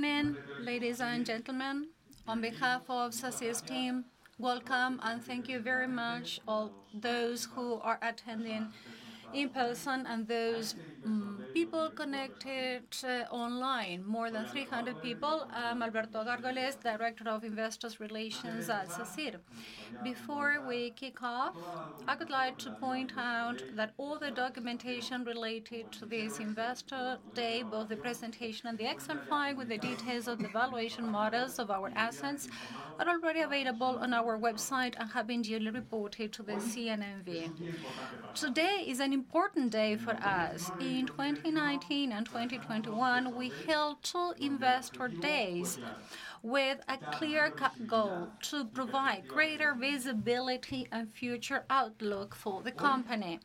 Good morning, ladies and gentlemen. On behalf of Sacyr's team, welcome and thank you very much to all those who are attending in person and those people connected online, more than 300 people. I'm Alberto Gárgoles, Director of Investor Relations at Sacyr. Before we kick off, I would like to point out that all the documentation related to this Investor Day, both the presentation and the Excel file with the details of the valuation models of our assets, are already available on our website and have been yearly reported to the CNMV. Today is an important day for us. In 2019 and 2021, we held two Investor Days with a clear goal: to provide greater visibility and future outlook for the company.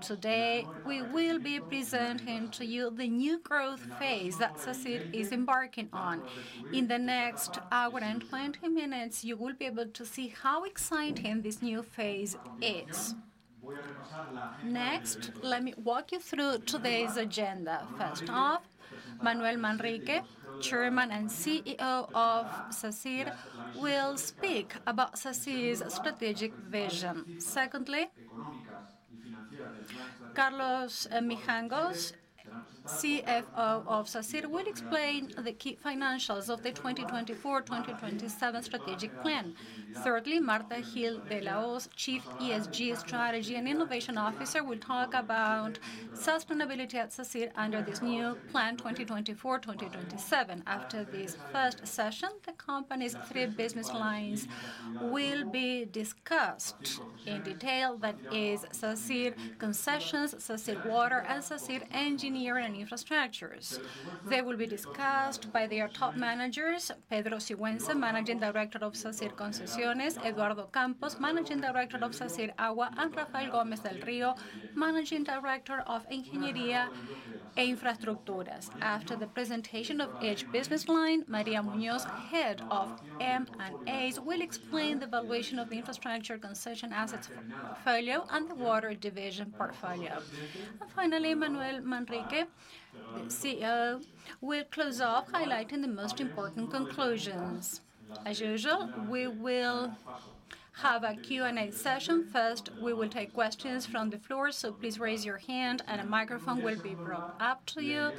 Today, we will be presenting to you the new growth phase that Sacyr is embarking on. In the next hour and 20 minutes, you will be able to see how exciting this new phase is. Next, let me walk you through today's agenda. First off, Manuel Manrique, Chairman and CEO of Sacyr, will speak about Sacyr's strategic vision. Secondly, Carlos Mijangos, CFO of Sacyr, will explain the key financials of the 2024-2027 strategic plan. Thirdly, Marta Gil de la Hoz, Chief ESG Strategy and Innovation Officer, will talk about sustainability at Sacyr under this new plan 2024-2027. After this first session, the company's three business lines will be discussed in detail: that is, Sacyr Concesiones, Sacyr Agua, and Sacyr Ingeniería e Infraestructuras. They will be discussed by their top managers, Pedro Sigüenza, Managing Director of Sacyr Concesiones; Eduardo Campos, Managing Director of Sacyr Agua; and Rafael Gómez del Río, Managing Director of Ingeniería e Infraestructuras. After the presentation of each business line, María Muñoz, Head of M&A, will explain the valuation of the Infrastructure Concession Assets portfolio and the Water Division portfolio. And finally, Manuel Manrique, the CEO, will close off highlighting the most important conclusions. As usual, we will have a Q&A session. First, we will take questions from the floor, so please raise your hand and a microphone will be brought up to you.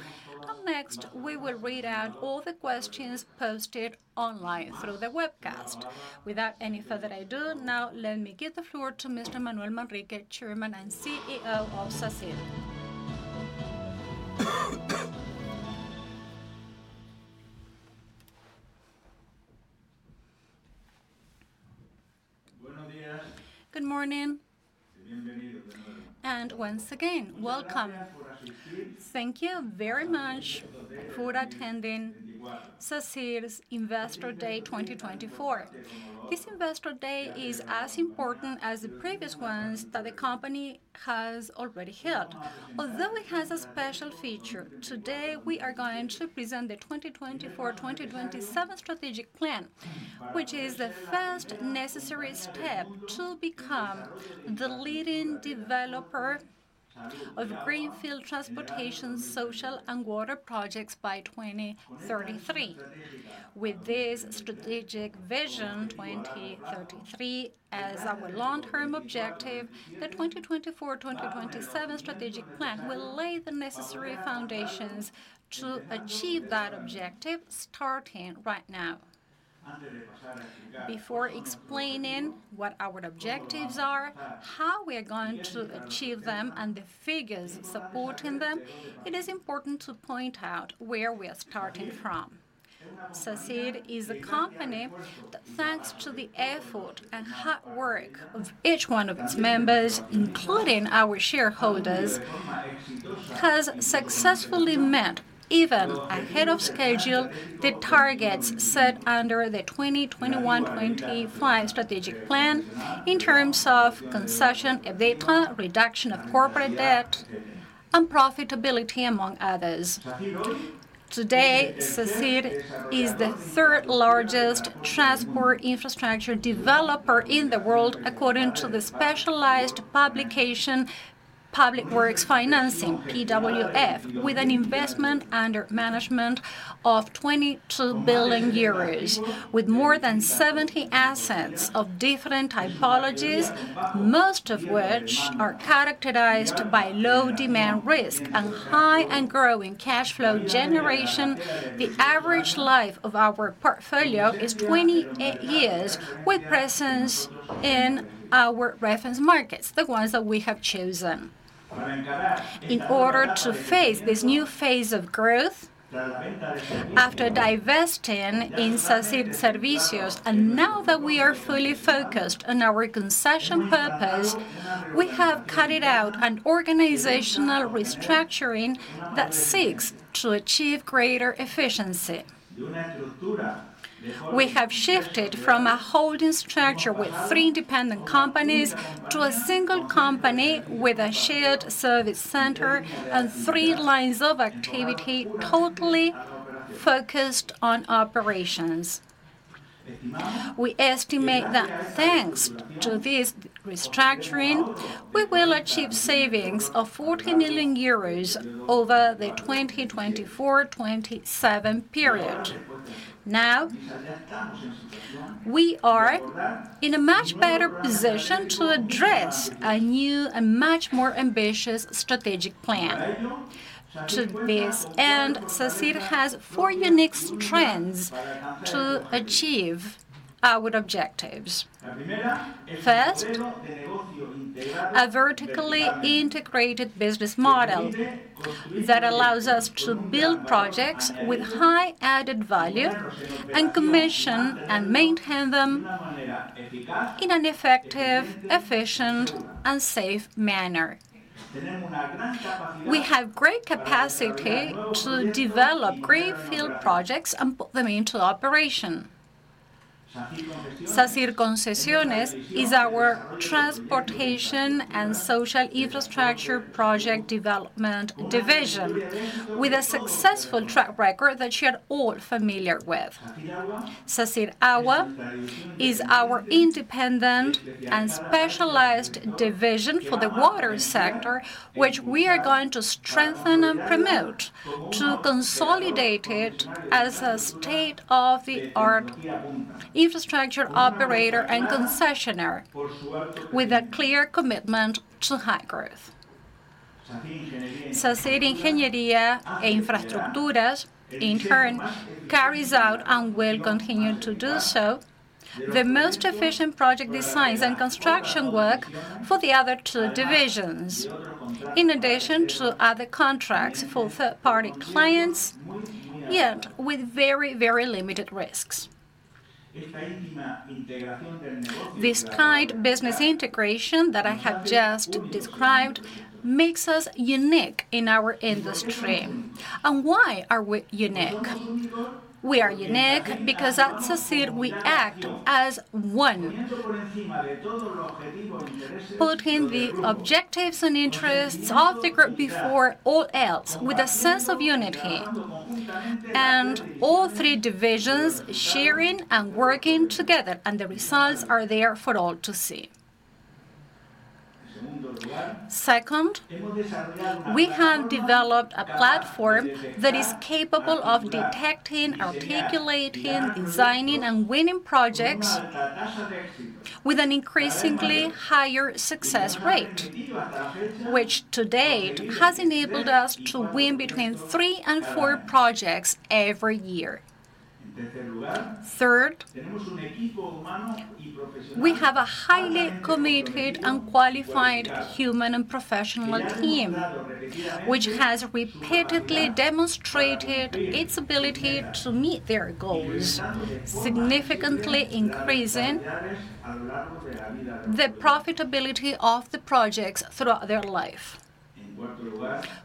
And next, we will read out all the questions posted online through the webcast. Without any further ado, now let me give the floor to Mr. Manuel Manrique, Chairman and CEO of Sacyr. Buenos días. Good morning. Once again, welcome. Thank you very much for attending Sacyr's Investor Day 2024. This Investor Day is as important as the previous ones that the company has already held. Although it has a special feature, today we are going to present the 2024-2027 strategic plan, which is the first necessary step to become the leading developer of greenfield transportation, social, and water projects by 2033. With this strategic vision 2033 as our long-term objective, the 2024-2027 strategic plan will lay the necessary foundations to achieve that objective, starting right now. Before explaining what our objectives are, how we are going to achieve them, and the figures supporting them, it is important to point out where we are starting from. Sacyr is a company that, thanks to the effort and hard work of each one of its members, including our shareholders, has successfully met, even ahead of schedule, the targets set under the 2021-2025 strategic plan in terms of concessions, EBITDA, reduction of corporate debt, and profitability, among others. Today, Sacyr is the third-largest transport infrastructure developer in the world, according to Public Works Financing (PWF), with an investment under management of 22 billion euros, with more than 70 assets of different typologies, most of which are characterized by low demand risk and high and growing cash flow generation. The average life of our portfolio is 28 years, with presence in our reference markets, the ones that we have chosen. In order to face this new phase of growth, after divesting of Sacyr Servicios and now that we are fully focused on our concessions business, we have carried out an organizational restructuring that seeks to achieve greater efficiency. We have shifted from a holding structure with three independent companies to a single company with a shared service center and three lines of activity totally focused on operations. We estimate that thanks to this restructuring, we will achieve savings of 40 million euros over the 2024-2027 period. Now, we are in a much better position to address a new and much more ambitious strategic plan. To this end, Sacyr has four unique strengths to achieve our objectives. First, a vertically integrated business model that allows us to build projects with high added value and commission and maintain them in an effective, efficient, and safe manner. We have great capacity to develop greenfield projects and put them into operation. Sacyr Concesiones is our Transportation and Social Infrastructure Project Development Division, with a successful track record that you are all familiar with. Sacyr Agua is our independent and specialized division for the water sector, which we are going to strengthen and promote to consolidate it as a state-of-the-art infrastructure operator and concessionaire, with a clear commitment to high growth. Sacyr Ingeniería e Infraestructuras, in turn, carries out and will continue to do so the most efficient project designs and construction work for the other two divisions, in addition to other contracts for third-party clients, yet with very, very limited risks. This kind of business integration that I have just described makes us unique in our industry. And why are we unique? We are unique because at Sacyr we act as one, putting the objectives and interests of the group before all else, with a sense of unity, and all three divisions sharing and working together, and the results are there for all to see. Second, we have developed a platform that is capable of detecting, articulating, designing, and winning projects with an increasingly higher success rate, which to date has enabled us to win between three and four projects every year. Third, we have a highly committed and qualified human and professional team, which has repeatedly demonstrated its ability to meet their goals, significantly increasing the profitability of the projects throughout their life.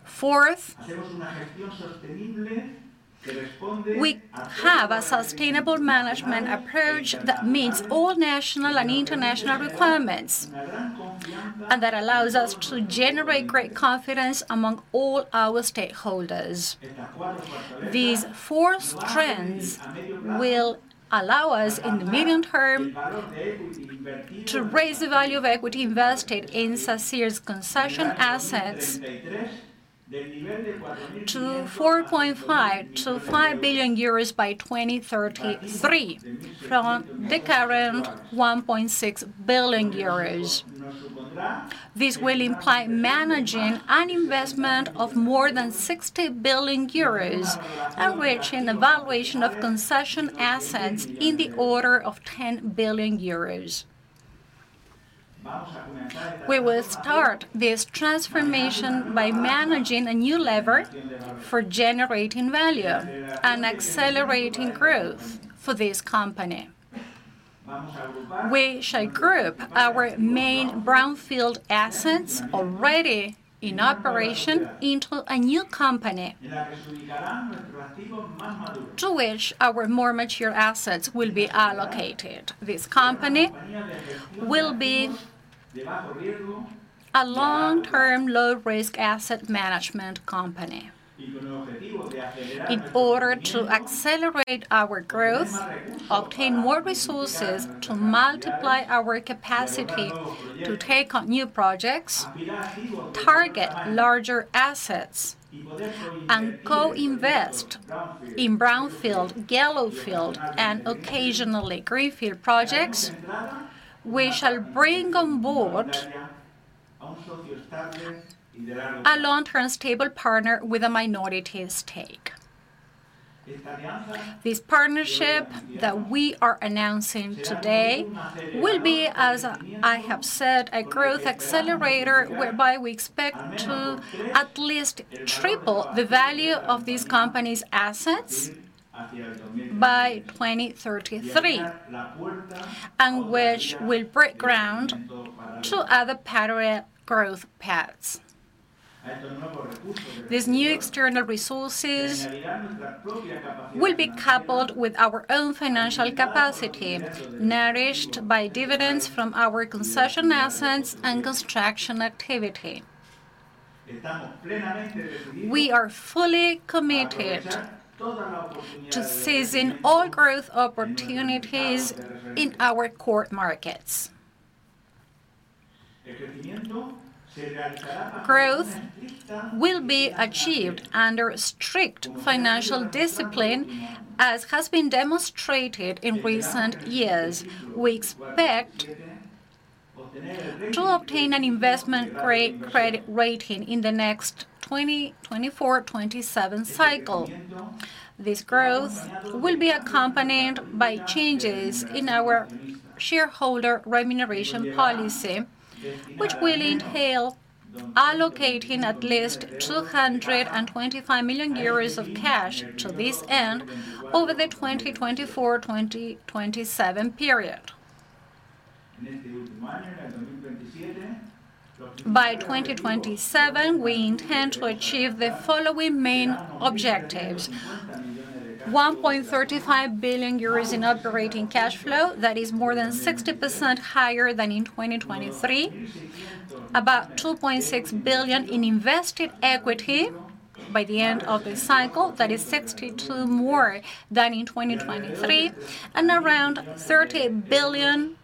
Fourth, we have a sustainable management approach that meets all national and international requirements and that allows us to generate great confidence among all our stakeholders. These four strengths will allow us, in the medium term, to raise the value of equity invested in Sacyr's concession assets to 4.5 billion euros by 2033, from the current 1.6 billion euros. This will imply managing an investment of more than 60 billion euros and reaching a valuation of concession assets in the order of 10 billion euros. We will start this transformation by managing a new lever for generating value and accelerating growth for this company. We shall group our main brownfield assets already in operation into a new company to which our more mature assets will be allocated. This company will be a long-term, low-risk asset management company in order to accelerate our growth, obtain more resources to multiply our capacity to take on new projects, target larger assets, and co-invest in Brownfield, Yellowfield, and occasionally Greenfield Projects, which shall bring on board a long-term, stable partner with a minority stake. This partnership that we are announcing today will be, as I have said, a growth accelerator whereby we expect to at least triple the value of these companies' assets by 2033, and which will break ground to other patterned growth paths. This new external resource will be coupled with our own financial capacity, nourished by dividends from our concession assets and construction activity. We are fully committed to seizing all growth opportunities in our core markets. Growth will be achieved under strict financial discipline, as has been demonstrated in recent years. We expect to obtain an investment-grade credit rating in the next 2024-2027 cycle. This growth will be accompanied by changes in our shareholder remuneration policy, which will entail allocating at least 225 million euros of cash to this end over the 2024-2027 period. By 2027, we intend to achieve the following main objectives: 1.35 billion euros in operating cash flow, that is more than 60% higher than in 2023, about 2.6 billion in invested equity by the end of the cycle, that is 62% more than in 2023, and around 30 billion euros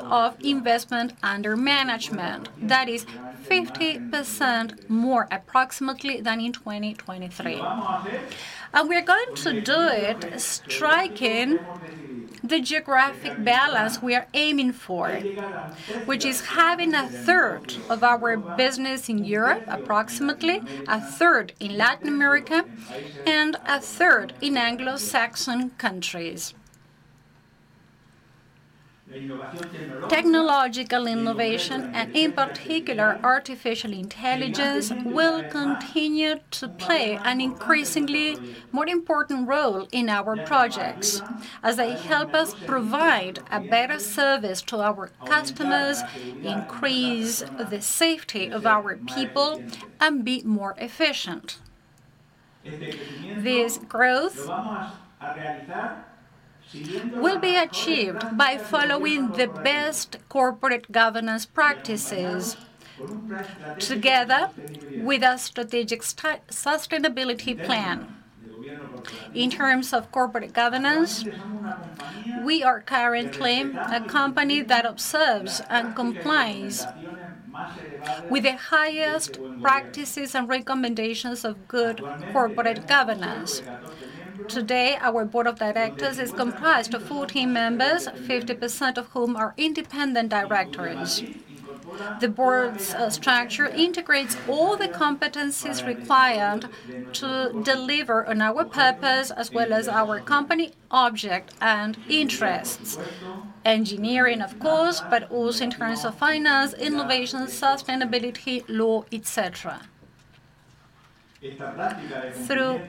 of investment under management, that is 50% more approximately than in 2023. We are going to do it striking the geographic balance we are aiming for, which is having a third of our business in Europe, approximately a third in Latin America, and a third in Anglo-Saxon countries. Technological innovation, and in particular artificial intelligence, will continue to play an increasingly more important role in our projects, as they help us provide a better service to our customers, increase the safety of our people, and be more efficient. This growth will be achieved by following the best corporate governance practices together with a strategic sustainability plan. In terms of corporate governance, we are currently a company that observes and complies with the highest practices and recommendations of good corporate governance. Today, our board of directors is comprised of 14 members, 50% of whom are independent directors. The board's structure integrates all the competencies required to deliver on our purpose, as well as our company object and interests: engineering, of course, but also in terms of finance, innovation, sustainability, law, etc. Through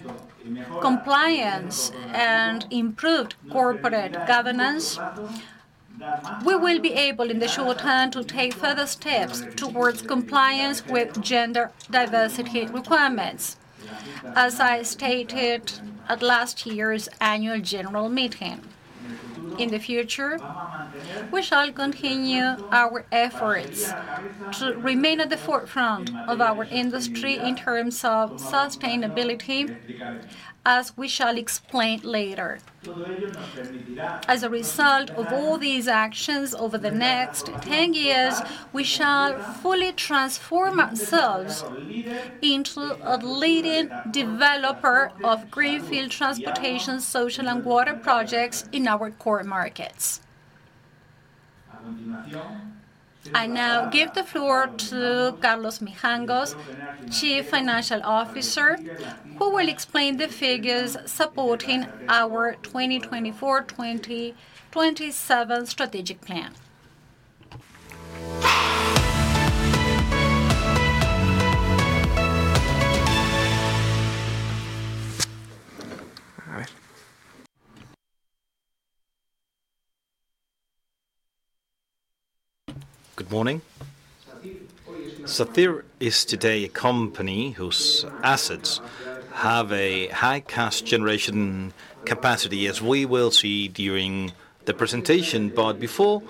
compliance and improved corporate governance, we will be able, in the short term, to take further steps towards compliance with gender diversity requirements, as I stated at last year's annual general meeting. In the future, we shall continue our efforts to remain at the forefront of our industry in terms of sustainability, as we shall explain later. As a result of all these actions, over the next 10 years, we shall fully transform ourselves into a leading developer of greenfield transportation, social, and water projects in our core markets. I now give the floor to Carlos Mijangos, Chief Financial Officer, who will explain the figures supporting our 2024-2027 strategic plan. Good morning. Sacyr is today a company whose assets have a high cash generation capacity, as we will see during the presentation. Before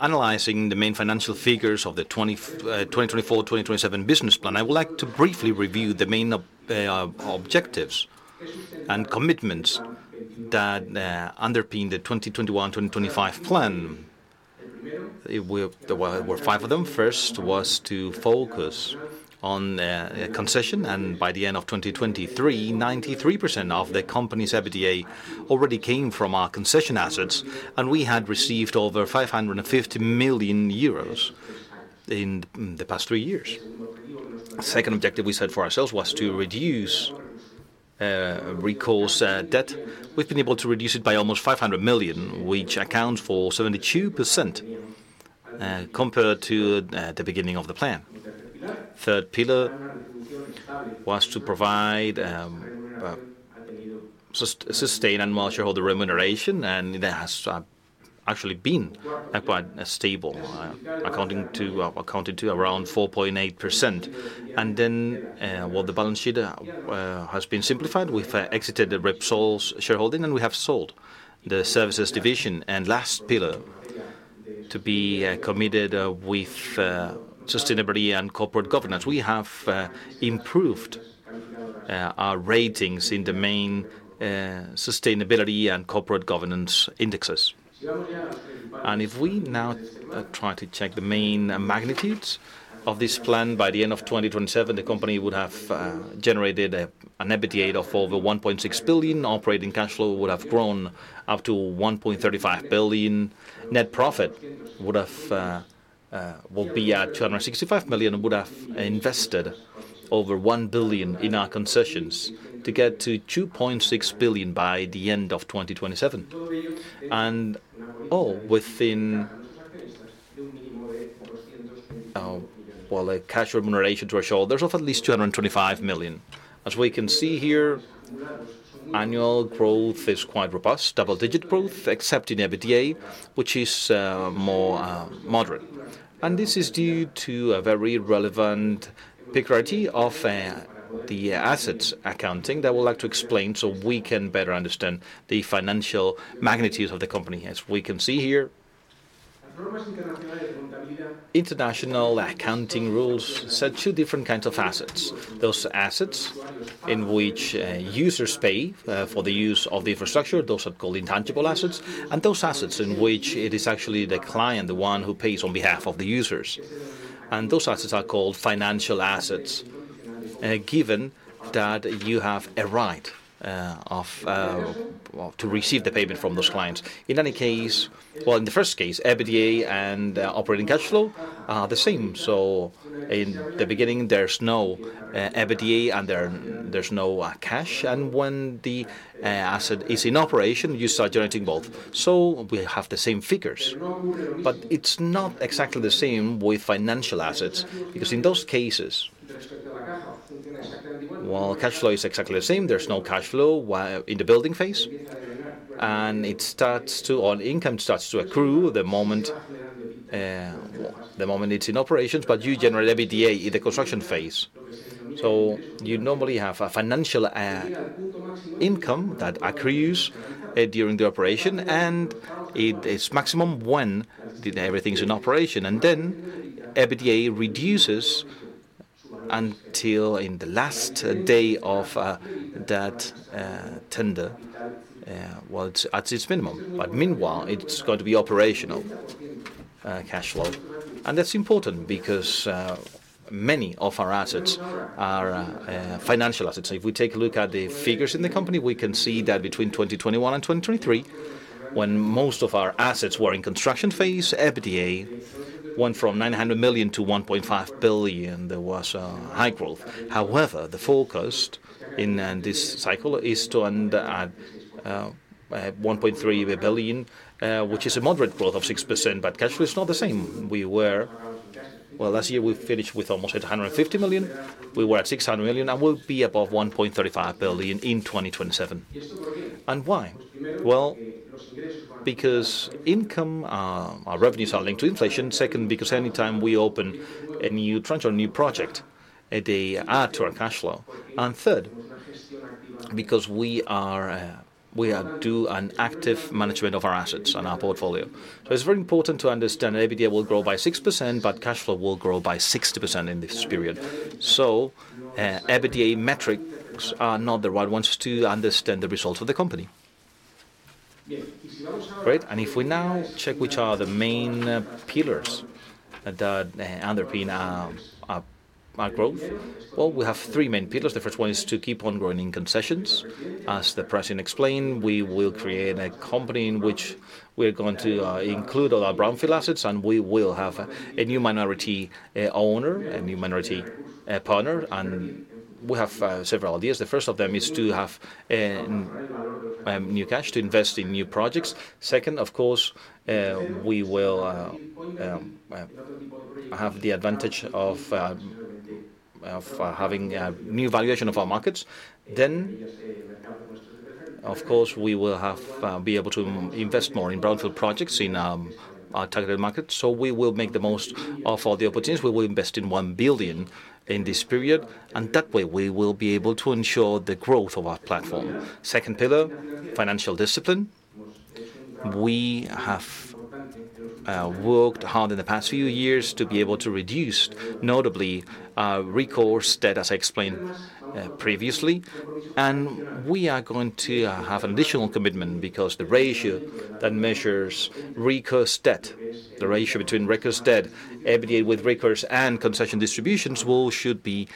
analyzing the main financial figures of the 2024-2027 business plan, I would like to briefly review the main objectives and commitments that underpin the 2021-2025 plan. There were five of them. First was to focus on concession, and by the end of 2023, 93% of the company's EBITDA already came from our concession assets, and we had received over 550 million euros in the past three years. The second objective we set for ourselves was to reduce recourse debt. We've been able to reduce it by almost 500 million, which accounts for 72% compared to the beginning of the plan. The third pillar was to provide, sustain, and shareholder remuneration, and that has actually been quite stable, accounting to around 4.8%. Then, while the balance sheet has been simplified, we've exited Repsol's shareholding, and we have sold the services division. Last pillar to be committed with sustainability and corporate governance, we have improved our ratings in the main sustainability and corporate governance indexes. If we now try to check the main magnitudes of this plan, by the end of 2027, the company would have generated an EBITDA of over 1.6 billion. Operating cash flow would have grown up to 1.35 billion. Net profit would be at 265 million, and we would have invested over 1 billion in our concessions to get to 2.6 billion by the end of 2027. All within our cash remuneration threshold, there's of at least 225 million. As we can see here, annual growth is quite robust, double-digit growth, except in EBITDA, which is more moderate. This is due to a very relevant picture of the assets accounting that I would like to explain so we can better understand the financial magnitudes of the company. As we can see here, international accounting rules set two different kinds of assets. Those assets in which users pay for the use of the infrastructure, those are called intangible assets, and those assets in which it is actually the client, the one who pays on behalf of the users. Those assets are called financial assets, given that you have a right to receive the payment from those clients. In any case, well, in the first case, EBITDA and operating cash flow are the same. So in the beginning, there's no EBITDA, and there's no cash. And when the asset is in operation, you start generating both. So we have the same figures. But it's not exactly the same with financial assets because in those cases, well, cash flow is exactly the same. There's no cash flow in the building phase, and income starts to accrue the moment it's in operations, but you generate EBITDA in the construction phase. So you normally have a financial income that accrues during the operation, and it's maximum when everything's in operation. And then EBITDA reduces until in the last day of that tender, well, at its minimum. Meanwhile, it's going to be operational cash flow. That's important because many of our assets are financial assets. If we take a look at the figures in the company, we can see that between 2021 and 2023, when most of our assets were in construction phase, EBITDA went from 900 million to 1.5 billion. There was high growth. However, the focus in this cycle is to end at 1.3 billion, which is a moderate growth of 6%, but cash flow is not the same. We were, well, last year, we finished with almost 850 million. We were at 600 million, and we'll be above 1.35 billion in 2027. And why? Well, because income, our revenues are linked to inflation. Second, because anytime we open a new tranche or a new project, they add to our cash flow. And third, because we do an active management of our assets and our portfolio. So it's very important to understand EBITDA will grow by 6%, but cash flow will grow by 60% in this period. So EBITDA metrics are not the right ones to understand the results of the company. Great. And if we now check which are the main pillars that underpin our growth, well, we have three main pillars. The first one is to keep on growing in concessions. As the president explained, we will create a company in which we are going to include all our brownfield assets, and we will have a new minority owner, a new minority partner. And we have several ideas. The first of them is to have new cash to invest in new projects. Second, of course, we will have the advantage of having new valuation of our markets. Then, of course, we will be able to invest more in Brownfield pPojects in our targeted markets. So we will make the most of all the opportunities. We will invest 1 billion in this period, and that way, we will be able to ensure the growth of our platform. Second pillar, financial discipline. We have worked hard in the past few years to be able to reduce, notably, recourse debt, as I explained previously. And we are going to have an additional commitment because the ratio that measures recourse debt, the ratio between recourse debt, EBITDA with recourse, and concession distributions should be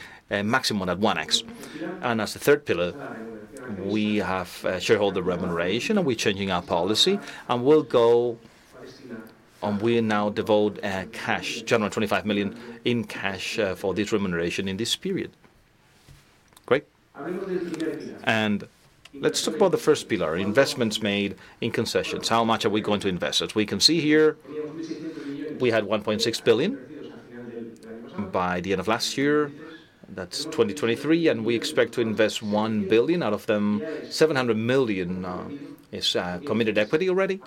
maximum at 1x. And as the third pillar, we have shareholder remuneration, and we're changing our policy, and we'll go, and we now devote cash, 125 million in cash for this remuneration in this period. Great. Let's talk about the first pillar, investments made in concessions. How much are we going to invest? As we can see here, we had 1.6 billion by the end of last year. That's 2023, and we expect to invest 1 billion. Out of them, 700 million is committed equity already,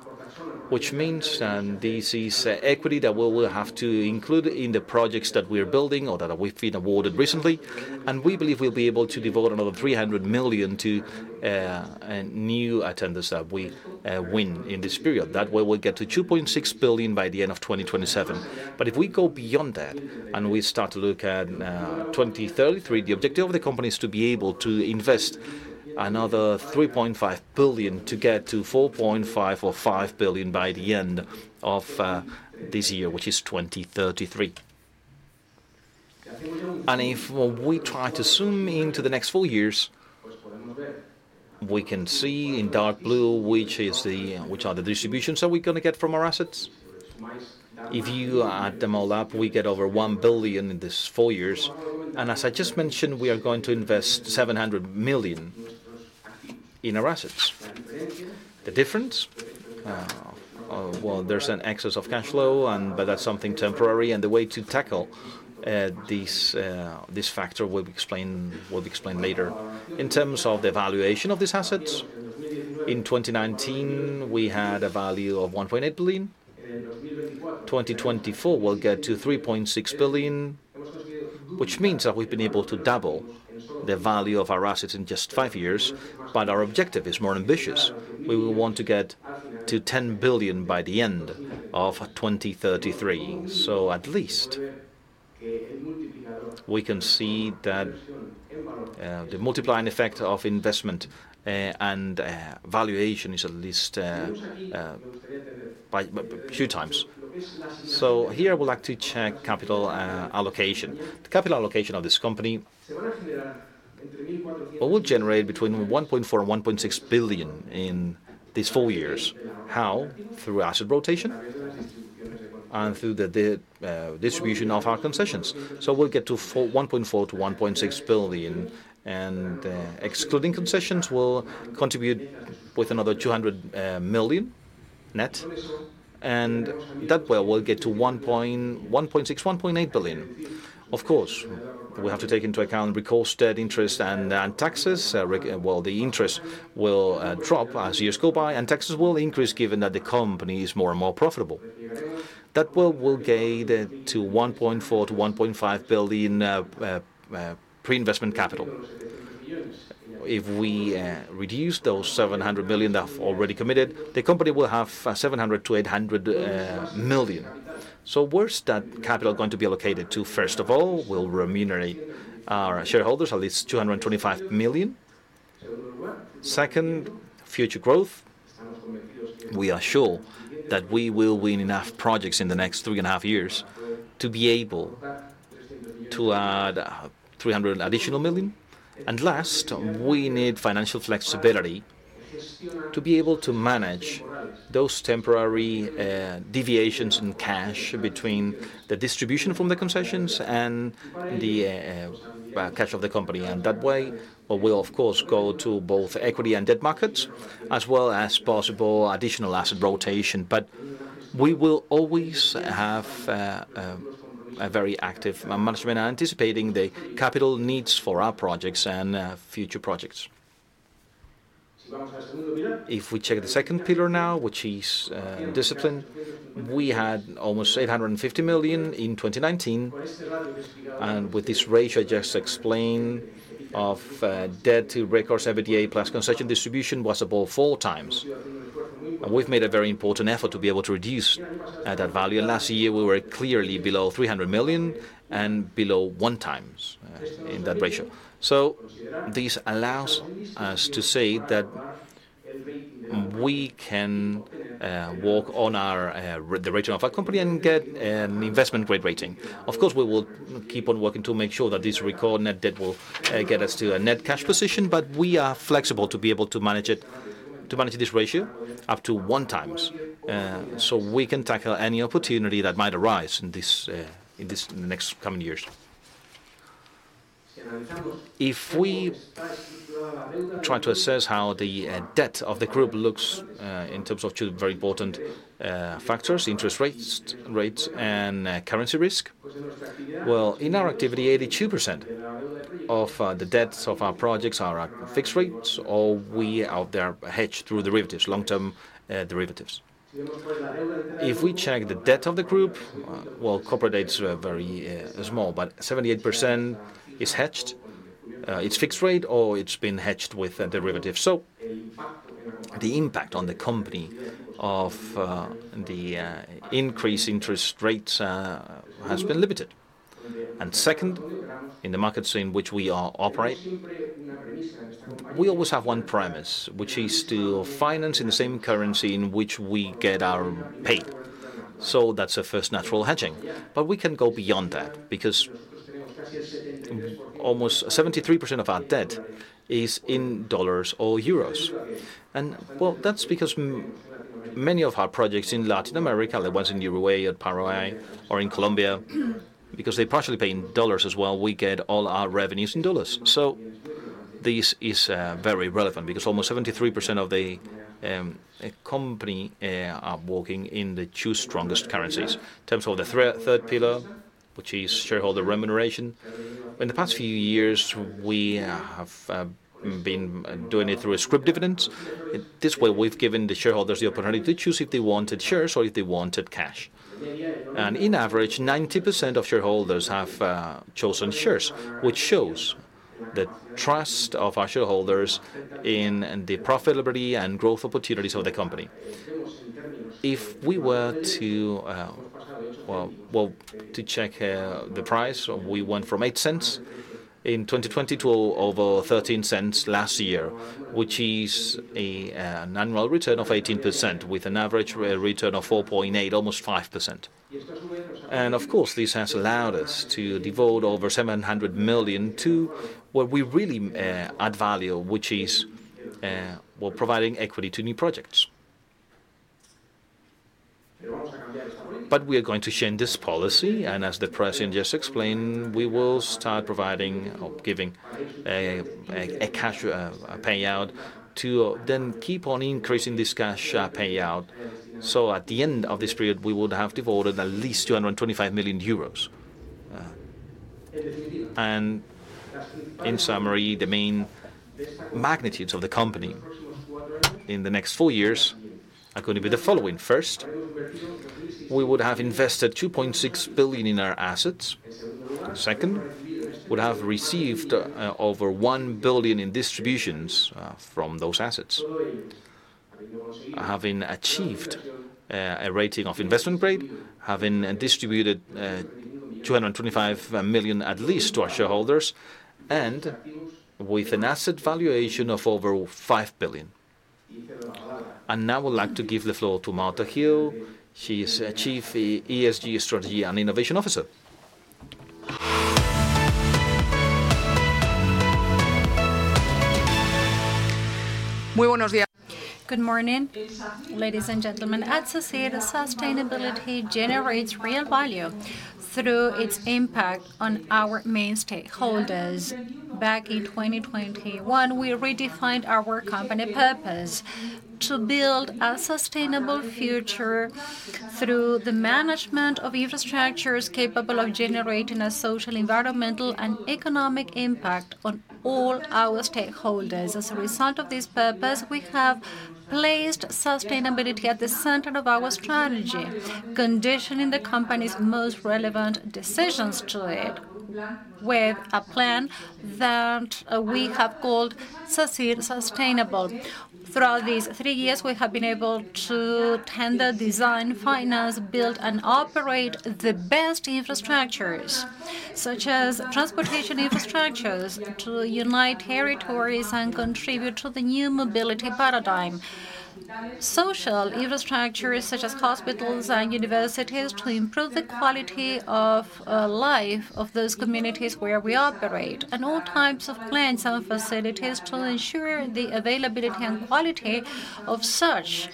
which means this is equity that we will have to include in the projects that we are building or that we've been awarded recently. And we believe we'll be able to devote another 300 million to new tenders that we win in this period. That way, we'll get to 2.6 billion by the end of 2027. But if we go beyond that and we start to look at 2033, the objective of the company is to be able to invest another 3.5 billion to get to 4.5 billion or 5 billion by the end of this year, which is 2033. If we try to zoom into the next four years, we can see in dark blue, which are the distributions that we're going to get from our assets. If you add them all up, we get over 1 billion in these four years. And as I just mentioned, we are going to invest 700 million in our assets. The difference, well, there's an excess of cash flow, but that's something temporary. And the way to tackle this factor will be explained later. In terms of the valuation of these assets, in 2019, we had a value of 1.8 billion. In 2024, we'll get to 3.6 billion, which means that we've been able to double the value of our assets in just five years. But our objective is more ambitious. We will want to get to 10 billion by the end of 2033. So at least we can see that the multiplying effect of investment and valuation is at least a few times. So here, I would like to check capital allocation. The capital allocation of this company will generate between 1.4 billion and 1.6 billion in these four years. How? Through asset rotation and through the distribution of our concessions. So we'll get to 1.4-1.6 billion. And excluding concessions, we'll contribute with another 200 million net. And that way, we'll get to 1.6 billion-1.8 billion. Of course, we have to take into account recourse debt, interest, and taxes. Well, the interest will drop as years go by, and taxes will increase given that the company is more and more profitable. That way, we'll gain to 1.4 billion-1.5 billion pre-investment capital. If we reduce those 700 million that are already committed, the company will have 700-800 million. So where's that capital going to be allocated to? First of all, we'll remunerate our shareholders, at least 225 million. Second, future growth. We are sure that we will win enough projects in the next three and a half years to be able to add 300 additional million. And last, we need financial flexibility to be able to manage those temporary deviations in cash between the distribution from the concessions and the cash of the company. And that way, we'll, of course, go to both equity and debt markets, as well as possible additional asset rotation. But we will always have a very active management anticipating the capital needs for our projects and future projects. If we check the second pillar now, which is discipline, we had almost 850 million in 2019. With this ratio, I just explained, of debt to recourse EBITDA plus concession distribution was above 4 times. We've made a very important effort to be able to reduce that value. Last year, we were clearly below 300 million and below 1x in that ratio. So this allows us to say that we can work on the rating of our company and get an investment-grade rating. Of course, we will keep on working to make sure that this recourse net debt will get us to a net cash position, but we are flexible to be able to manage this ratio up to 1x so we can tackle any opportunity that might arise in the next coming years. If we try to assess how the debt of the group looks in terms of two very important factors, interest rates and currency risk, well, in our activity, 82% of the debts of our projects are at fixed rates, or we out there hedge through derivatives, long-term derivatives. If we check the debt of the group, well, corporate debt is very small, but 78% is hedged. It's fixed rate, or it's been hedged with derivatives. So the impact on the company of the increased interest rates has been limited. And second, in the markets in which we operate, we always have one premise, which is to finance in the same currency in which we get our pay. So that's the first natural hedging. But we can go beyond that because almost 73% of our debt is in dollars or euros. Well, that's because many of our projects in Latin America, the ones in Uruguay, Paraguay, or in Colombia, because they partially pay in dollars as well, we get all our revenues in dollars. This is very relevant because almost 73% of the company are working in the two strongest currencies. In terms of the third pillar, which is shareholder remuneration, in the past few years, we have been doing it through a scrip dividend. This way, we've given the shareholders the opportunity to choose if they wanted shares or if they wanted cash. And on average, 90% of shareholders have chosen shares, which shows the trust of our shareholders in the profitability and growth opportunities of the company. If we were to, well, to check the price, we went from 0.08 EUR in 2020 to over 0.13 EUR last year, which is an annual return of 18% with an average return of 4.8%, almost 5%. And of course, this has allowed us to devote over 700 million to what we really add value, which is, well, providing equity to new projects. But we are going to change this policy. And as the president just explained, we will start providing or giving a payout to then keep on increasing this cash payout. So at the end of this period, we would have devoted at least 225 million euros. And in summary, the main magnitudes of the company in the next four years are going to be the following. First, we would have invested 2.6 billion in our assets. Second, we would have received over 1 billion in distributions from those assets, having achieved a rating of investment grade, having distributed 225 million at least to our shareholders, and with an asset valuation of over 5 billion. Now, I would like to give the floor to Marta Gil de la Hoz. She is Chief ESG Strategy and Innovation Officer. Good morning, ladies and gentlemen. As I said, sustainability generates real value through its impact on our main stakeholders. Back in 2021, we redefined our company purpose to build a sustainable future through the management of infrastructures capable of generating a social, environmental, and economic impact on all our stakeholders. As a result of this purpose, we have placed sustainability at the center of our strategy, conditioning the company's most relevant decisions to it with a plan that we have called Sacyr Sustainable. Throughout these three years, we have been able to tender, design, finance, build, and operate the best infrastructures, such as transportation infrastructures, to unite territories and contribute to the new mobility paradigm, social infrastructures such as hospitals and universities to improve the quality of life of those communities where we operate, and all types of plants and facilities to ensure the availability and quality of such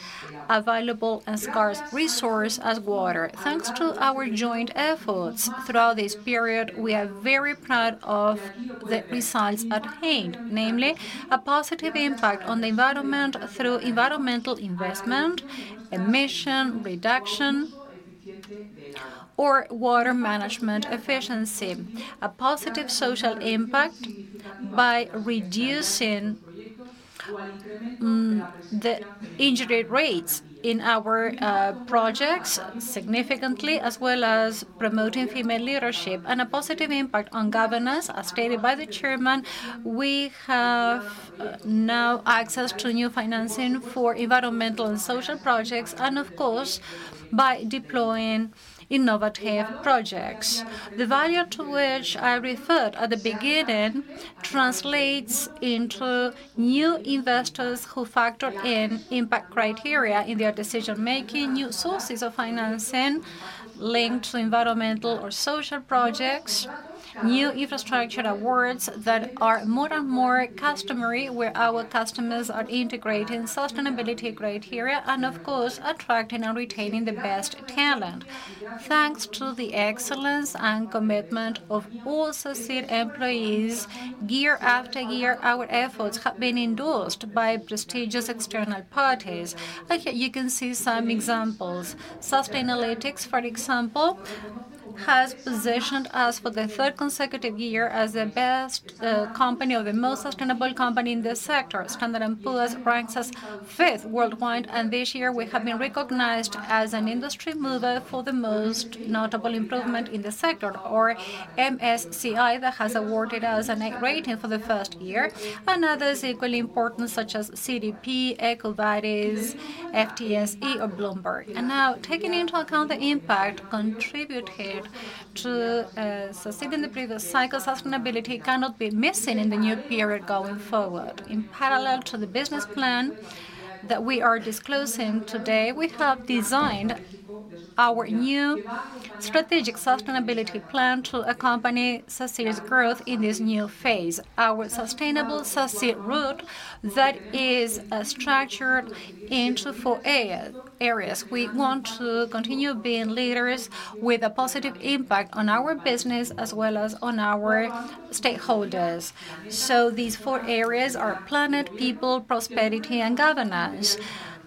a valuable and scarce resource as water. Thanks to our joint efforts throughout this period, we are very proud of the results at hand, namely a positive impact on the environment through environmental investment, emission reduction, or water management efficiency, a positive social impact by reducing the injury rates in our projects significantly, as well as promoting female leadership, and a positive impact on governance. As stated by the chairman, we have now access to new financing for environmental and social projects and, of course, by deploying innovative projects. The value to which I referred at the beginning translates into new investors who factor in impact criteria in their decision-making, new sources of financing linked to environmental or social projects, new infrastructure awards that are more and more customary, where our customers are integrating sustainability criteria and, of course, attracting and retaining the best talent. Thanks to the excellence and commitment of all Sacyr employees, year after year, our efforts have been endorsed by prestigious external parties. You can see some examples. Sustainalytics, for example, has positioned us for the third consecutive year as the best company, or the most sustainable company in the sector. Standard & Poor's ranks us fifth worldwide, and this year, we have been recognized as an industry mover for the most notable improvement in the sector, and MSCI, that has awarded us an 8 rating for the first year. Others are equally important, such as CDP, EcoVadis, FTSE, or Bloomberg. Now, taking into account the impact contributed to Sacyr in the previous cycle, sustainability cannot be missing in the new period going forward. In parallel to the business plan that we are disclosing today, we have designed our new strategic sustainability plan to accompany Sacyr's growth in this new phase, our Sacyr Sustainable route that is structured into four areas. We want to continue being leaders with a positive impact on our business as well as on our stakeholders. So these four areas are planet, people, prosperity, and governance,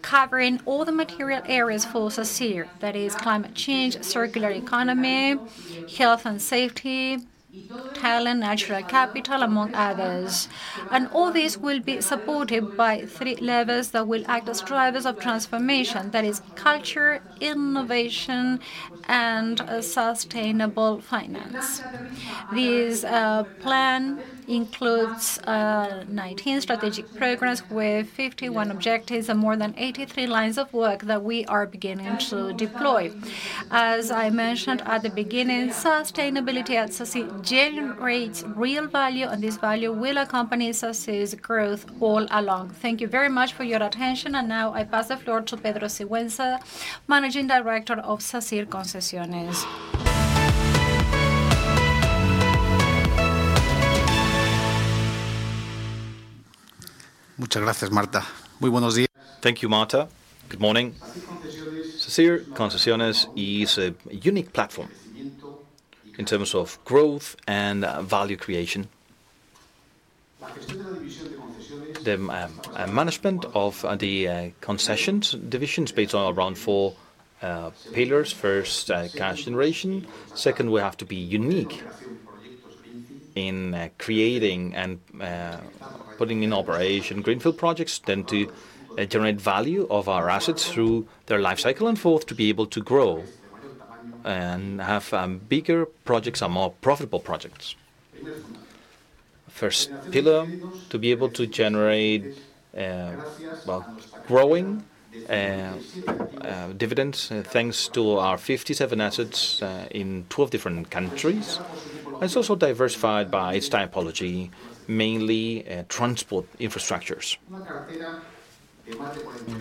covering all the material areas for Sacyr, that is, climate change, circular economy, health and safety, talent, natural capital, among others. All these will be supported by three levers that will act as drivers of transformation, that is, culture, innovation, and sustainable finance. This plan includes 19 strategic programs with 51 objectives and more than 83 lines of work that we are beginning to deploy. As I mentioned at the beginning, sustainability at Sacyr generates real value, and this value will accompany Sacyr's growth all along. Thank you very much for your attention. Now, I pass the floor to Pedro Sigüenza, Managing Director of Sacyr Concesiones. Thank you, Marta. Good morning. Sacyr Concesiones is a unique platform in terms of growth and value creation. The management of the concessions division sits on around four pillars. First, cash generation. Second, we have to be unique in creating and putting in operation greenfield projects, then to generate value of our assets through their lifecycle. And fourth, to be able to grow and have bigger projects and more profitable projects. First pillar, to be able to generate growing dividends thanks to our 57 assets in 12 different countries. It's also diversified by its typology, mainly transport infrastructures.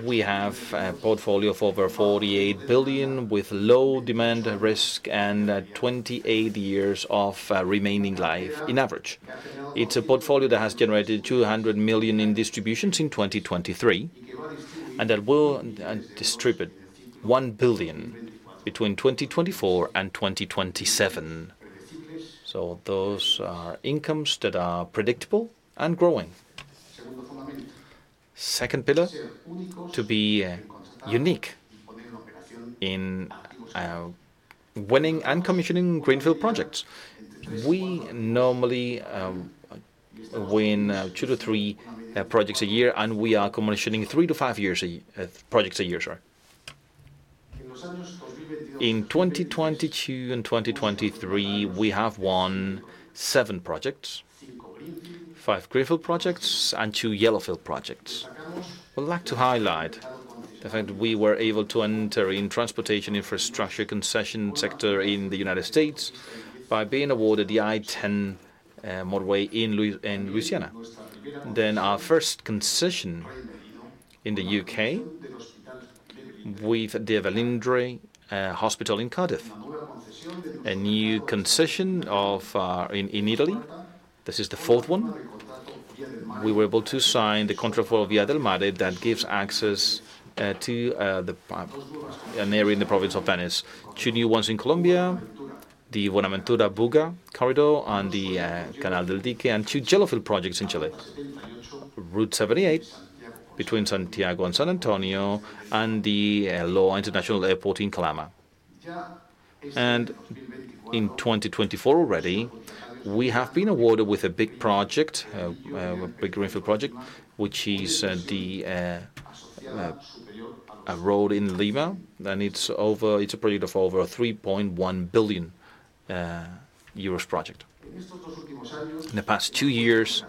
We have a portfolio of over $48 billion with low demand risk and 28 years of remaining life. On average, it's a portfolio that has generated $200 million in distributions in 2023 and that will distribute $1 billion between 2024 and 2027. So those are incomes that are predictable and growing. Second pillar, to be unique in winning and commissioning greenfield projects. We normally win 2-3 projects a year, and we are commissioning 3-5 projects a year. In 2022 and 2023, we have won 7 projects, 5 Greenfield Projects, and 2 Yellowfield Projects. We'd like to highlight the fact that we were able to enter in transportation infrastructure concession sector in the United States by being awarded the I-10 motorway in Louisiana. Then, our first concession in the UK with Velindre Hospital in Cardiff, a new concession in Italy. This is the fourth one. We were able to sign the contract for Via del Mare that gives access to an area in the province of Venice, two new ones in Colombia, the Buenaventura-Buga corridor and the Canal del Dique, and two Yellowfield Projects in Chile, Route 78 between Santiago and San Antonio and the El Loa International Airport in Calama. In 2024 already, we have been awarded with a big project, a big greenfield project, which is the road in Lima. It's a project of over 3.1 billion euros project. In the past two years,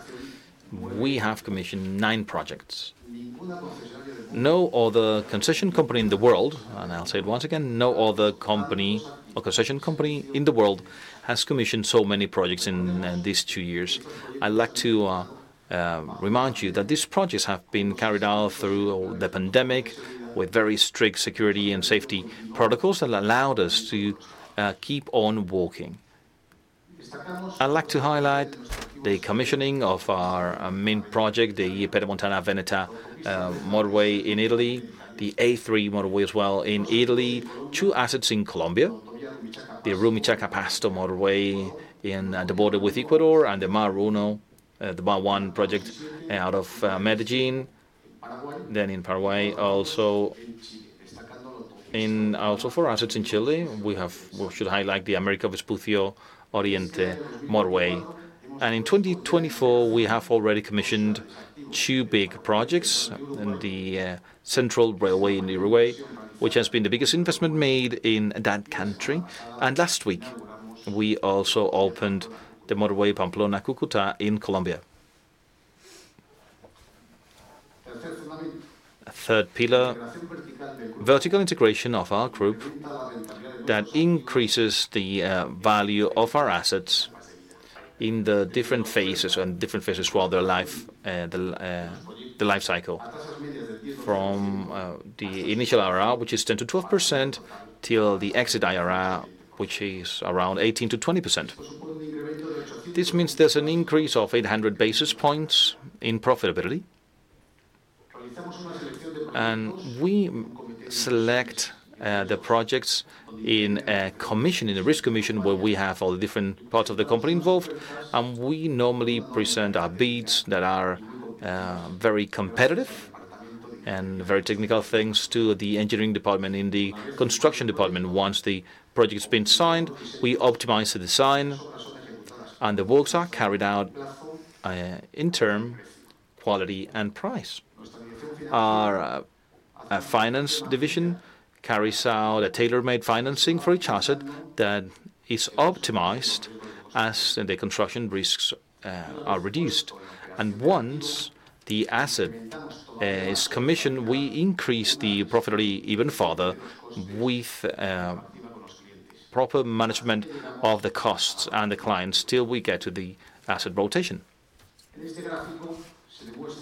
we have commissioned nine projects. No other concession company in the world, and I'll say it once again, no other company or concession company in the world has commissioned so many projects in these two years. I'd like to remind you that these projects have been carried out through the pandemic with very strict security and safety protocols that allowed us to keep on working. I'd like to highlight the commissioning of our main project, the Pedemontana-Veneta motorway in Italy, the A3 motorway as well in Italy, two assets in Colombia, the Rumichaca-Pasto motorway at the border with Ecuador, and the Mar 1 project out of Medellín. Then, in Paraguay, also. And also for assets in Chile, we should highlight the Américo Vespucio Oriente motorway. And in 2024, we have already commissioned two big projects, the Central Railway in Uruguay, which has been the biggest investment made in that country. And last week, we also opened the motorway Pamplona-Cúcuta in Colombia. Third pillar, vertical integration of our group that increases the value of our assets in the different phases throughout their lifecycle, from the initial IRR, which is 10%-12%, till the exit IRR, which is around 18%-20%. This means there's an increase of 800 basis points in profitability. We select the projects in a risk commission where we have all the different parts of the company involved. We normally present our bids that are very competitive and very technical things to the engineering department and the construction department. Once the project's been signed, we optimize the design, and the works are carried out in terms of quality and price. Our finance division carries out a tailor-made financing for each asset that is optimized as the construction risks are reduced. Once the asset is commissioned, we increase the profitability even further with proper management of the costs and the clients till we get to the asset rotation.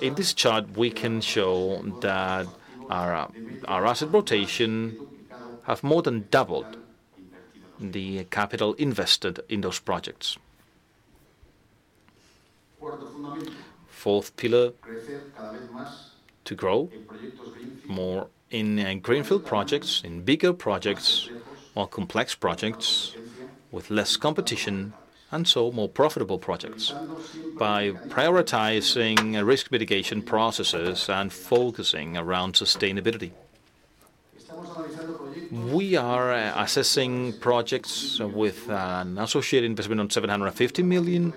In this chart, we can show that our asset rotation has more than doubled the capital invested in those projects. Fourth pillar, to grow more in greenfield projects, in bigger projects or complex projects with less competition, and so more profitable projects by prioritizing risk mitigation processes and focusing around sustainability. We are assessing projects with an associated investment of $750 million.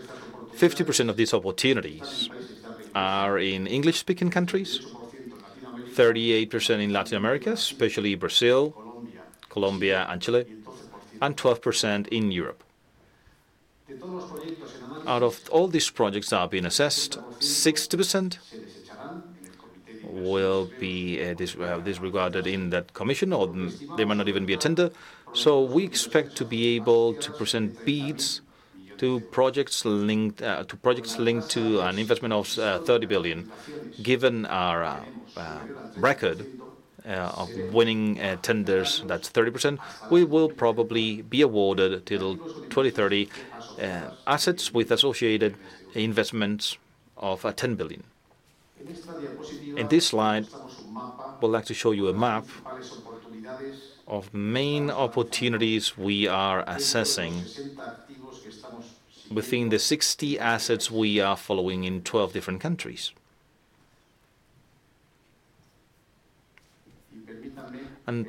50% of these opportunities are in English-speaking countries, 38% in Latin America, especially Brazil, Colombia, and Chile, and 12% in Europe. Out of all these projects that have been assessed, 60% will be disregarded in that commission, or they may not even be a tender. So we expect to be able to present bids to projects linked to an investment of $30 billion. Given our record of winning tenders, that's 30%, we will probably be awarded till 2030 assets with associated investments of $10 billion. In this slide, we'd like to show you a map of main opportunities we are assessing within the 60 assets we are following in 12 different countries.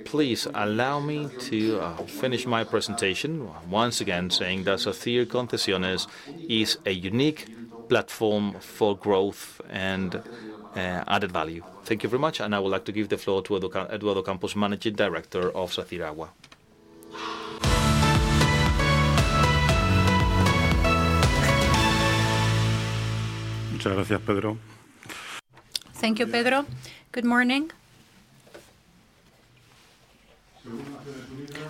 Please allow me to finish my presentation once again saying that Sacyr Concesiones is a unique platform for growth and added value. Thank you very much, and I would like to give the floor to Eduardo Campos, Managing Director of Sacyr Agua. Thank you, Pedro. Good morning.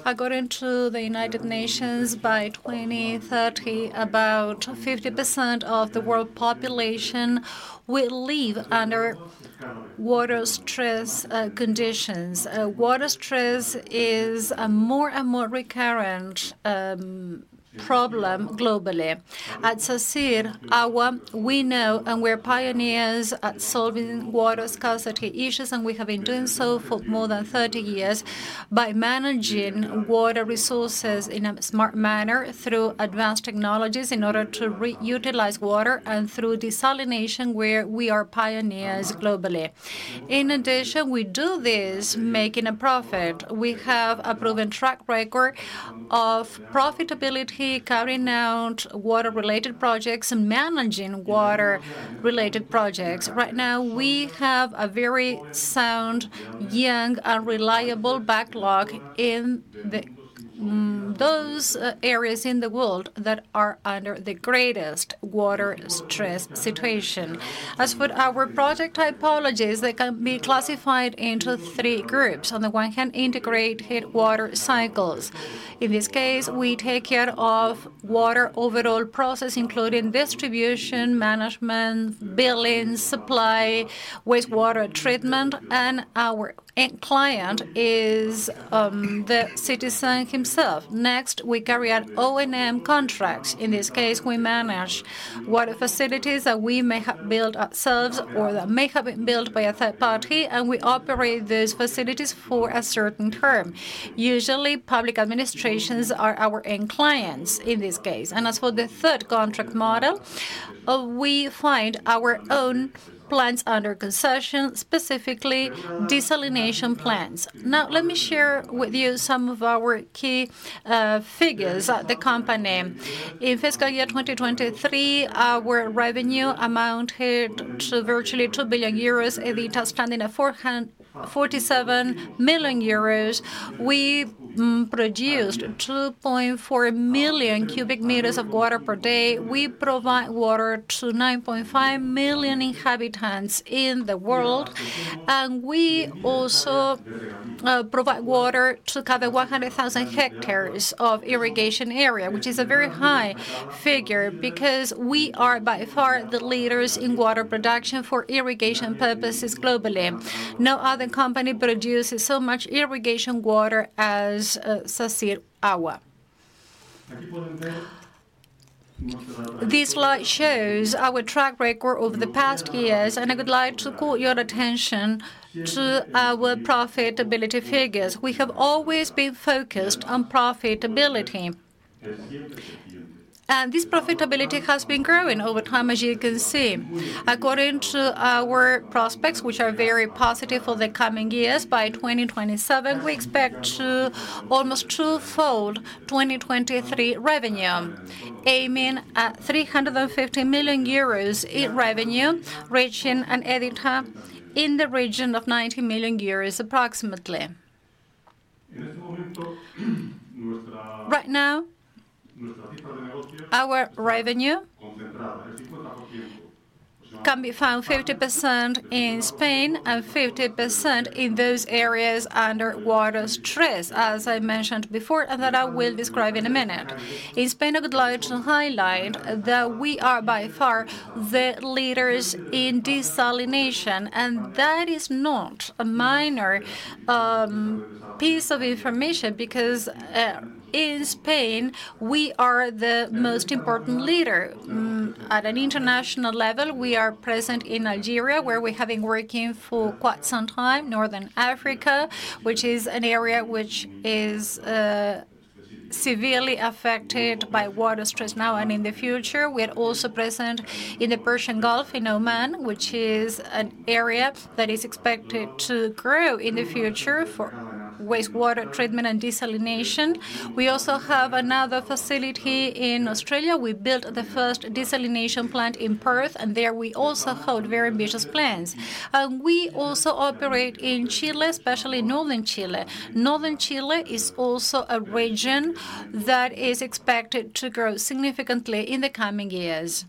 According to the United Nations, by 2030, about 50% of the world population will live under water stress conditions. Water stress is a more and more recurrent problem globally. At Sacyr Agua, we know and we're pioneers at solving water scarcity issues, and we have been doing so for more than 30 years by managing water resources in a smart manner through advanced technologies in order to reutilize water and through desalination, where we are pioneers globally. In addition, we do this making a profit. We have a proven track record of profitability carrying out water-related projects and managing water-related projects. Right now, we have a very sound, young, and reliable backlog in those areas in the world that are under the greatest water stress situation. As for our project typologies, they can be classified into three groups. On the one hand, integrated water cycles. In this case, we take care of water overall process, including distribution, management, billing, supply, wastewater treatment, and our client is the citizen himself. Next, we carry out O&M contracts. In this case, we manage water facilities that we may have built ourselves or that may have been built by a third party, and we operate those facilities for a certain term. Usually, public administrations are our end clients in this case. And as for the third contract model, we find our own plants under concession, specifically desalination plants. Now, let me share with you some of our key figures at the company. In fiscal year 2023, our revenue amounted to virtually 2 billion euros. EBITDA at 447 million euros. We produced 2.4 million cubic meters of water per day. We provide water to 9.5 million inhabitants in the world. And we also provide water to cover 100,000 hectares of irrigation area, which is a very high figure because we are by far the leaders in water production for irrigation purposes globally. No other company produces so much irrigation water as Sacyr Agua. This slide shows our track record over the past years, and I would like to call your attention to our profitability figures. We have always been focused on profitability. And this profitability has been growing over time, as you can see. According to our prospects, which are very positive for the coming years, by 2027, we expect to almost twofold 2023 revenue, aiming at 350 million euros in revenue, reaching an EBITDA in the region of 90 million euros approximately. Right now, our revenue can be found 50% in Spain and 50% in those areas under water stress, as I mentioned before and that I will describe in a minute. In Spain, I would like to highlight that we are by far the leaders in desalination. That is not a minor piece of information because in Spain, we are the most important leader. At an international level, we are present in Algeria, where we have been working for quite some time, North Africa, which is an area which is severely affected by water stress now and in the future. We are also present in the Persian Gulf in Oman, which is an area that is expected to grow in the future for wastewater treatment and desalination. We also have another facility in Australia. We built the first desalination plant in Perth, and there we also hold very ambitious plans. We also operate in Chile, especially Northern Chile. Northern Chile is also a region that is expected to grow significantly in the coming years.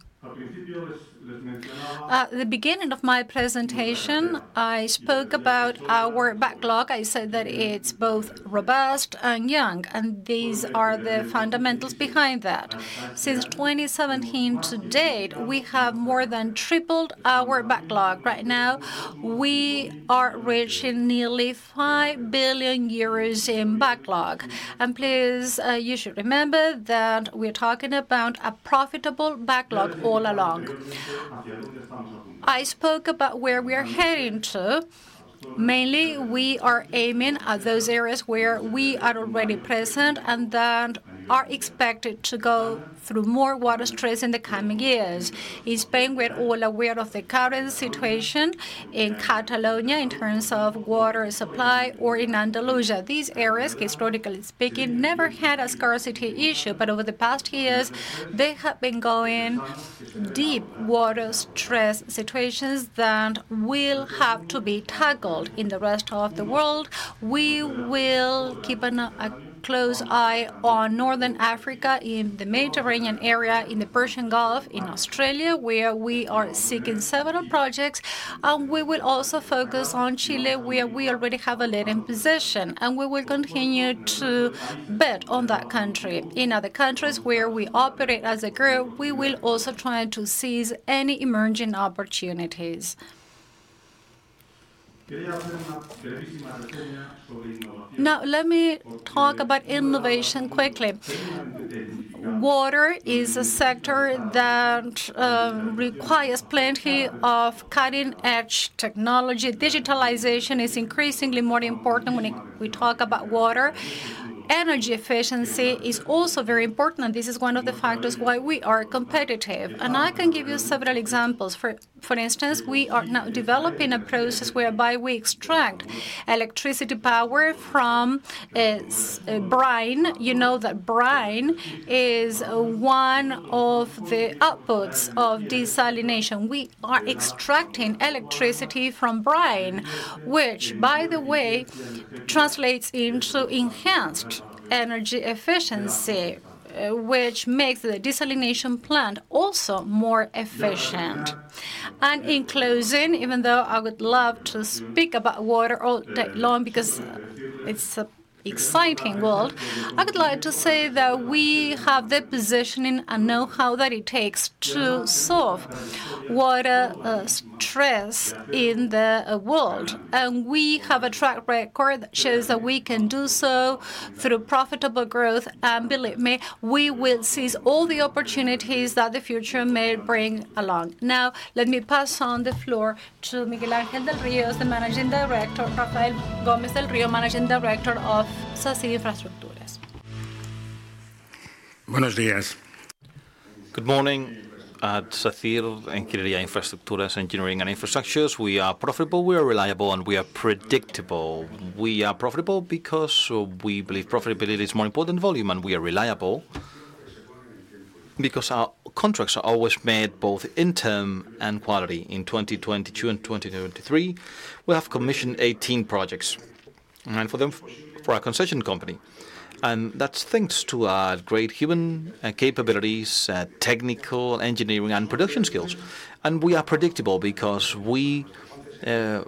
At the beginning of my presentation, I spoke about our backlog. I said that it's both robust and young, and these are the fundamentals behind that. Since 2017 to date, we have more than tripled our backlog. Right now, we are reaching nearly 5 billion euros in backlog. Please, you should remember that we're talking about a profitable backlog all along. I spoke about where we are heading to. Mainly, we are aiming at those areas where we are already present and that are expected to go through more water stress in the coming years. In Spain, we're all aware of the current situation in Catalonia in terms of water supply or in Andalusia. These areas, historically speaking, never had a scarcity issue, but over the past years, they have been going deep water stress situations that will have to be tackled in the rest of the world. We will keep a close eye on North Africa, in the Mediterranean area, in the Persian Gulf, in Australia, where we are seeking several projects. We will also focus on Chile, where we already have a leading position, and we will continue to bet on that country. In other countries where we operate as a group, we will also try to seize any emerging opportunities. Now, let me talk about innovation quickly. Water is a sector that requires plenty of cutting-edge technology. Digitalization is increasingly more important when we talk about water. Energy efficiency is also very important, and this is one of the factors why we are competitive. I can give you several examples. For instance, we are now developing a process whereby we extract electricity power from brine. You know that brine is one of the outputs of desalination. We are extracting electricity from brine, which, by the way, translates into enhanced energy efficiency, which makes the desalination plant also more efficient. In closing, even though I would love to speak about water all day long because it's an exciting world, I would like to say that we have the positioning and know-how that it takes to solve water stress in the world. We have a track record that shows that we can do so through profitable growth. Believe me, we will seize all the opportunities that the future may bring along. Now, let me pass on the floor to Miguel Ángel del Ríos, the Managing Director, Rafael Gómez del Río, Managing Director of Sacyr Ingeniería e Infraestructuras. Good morning. At Sacyr Ingeniería e Infraestructuras, Engineering and Infrastructures, we are profitable, we are reliable, and we are predictable. We are profitable because we believe profitability is more important than volume, and we are reliable because our contracts are always made both in term and quality. In 2022 and 2023, we have commissioned 18 projects for our concession company. And that's thanks to our great human capabilities, technical, engineering, and production skills. And we are predictable because we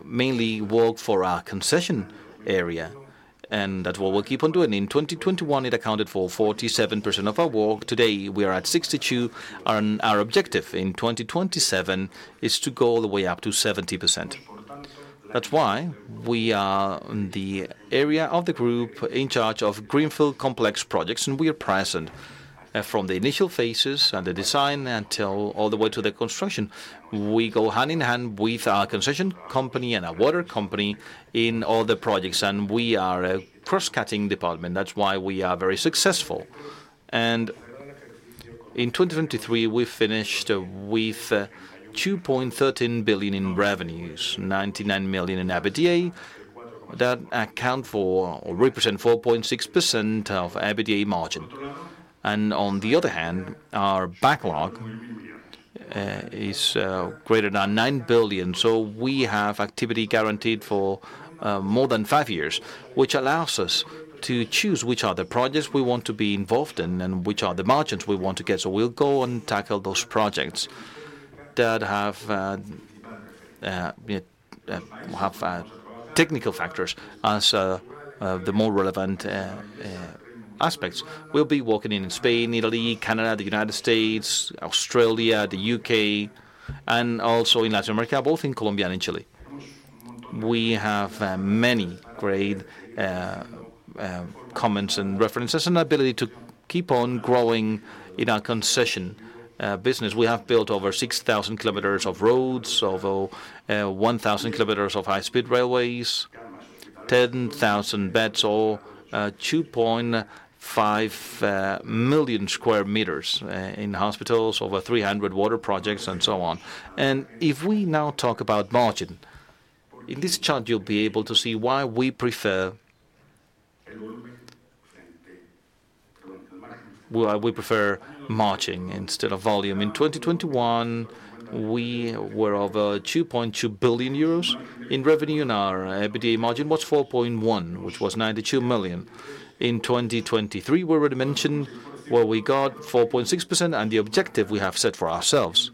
mainly work for our concession area, and that's what we'll keep on doing. In 2021, it accounted for 47% of our work. Today, we are at 62, and our objective in 2027 is to go all the way up to 70%. That's why we are in the area of the group in charge of greenfield complex projects, and we are present from the initial phases and the design until all the way to the construction. We go hand in hand with our concession company and our water company in all the projects, and we are a cross-cutting department. That's why we are very successful. In 2023, we finished with 2.13 billion in revenues, 99 million in EBITDA that account for or represent 4.6% EBITDA margin. On the other hand, our backlog is greater than 9 billion, so we have activity guaranteed for more than five years, which allows us to choose which are the projects we want to be involved in and which are the margins we want to get. So we'll go and tackle those projects that have technical factors as the more relevant aspects. We'll be working in Spain, Italy, Canada, the United States, Australia, the U.K., and also in Latin America, both in Colombia and in Chile. We have many great comments and references and ability to keep on growing in our concession business. We have built over 6,000 kilometers of roads, over 1,000 kilometers of high-speed railways, 10,000 beds, or 2.5 million square meters in hospitals, over 300 water projects, and so on. And if we now talk about margin, in this chart, you'll be able to see why we prefer margin instead of volume. In 2021, we were over 2.2 billion euros in revenue, and our EBITDA margin was 4.1%, which was 92 million. In 2023, we already mentioned where we got 4.6% and the objective we have set for ourselves.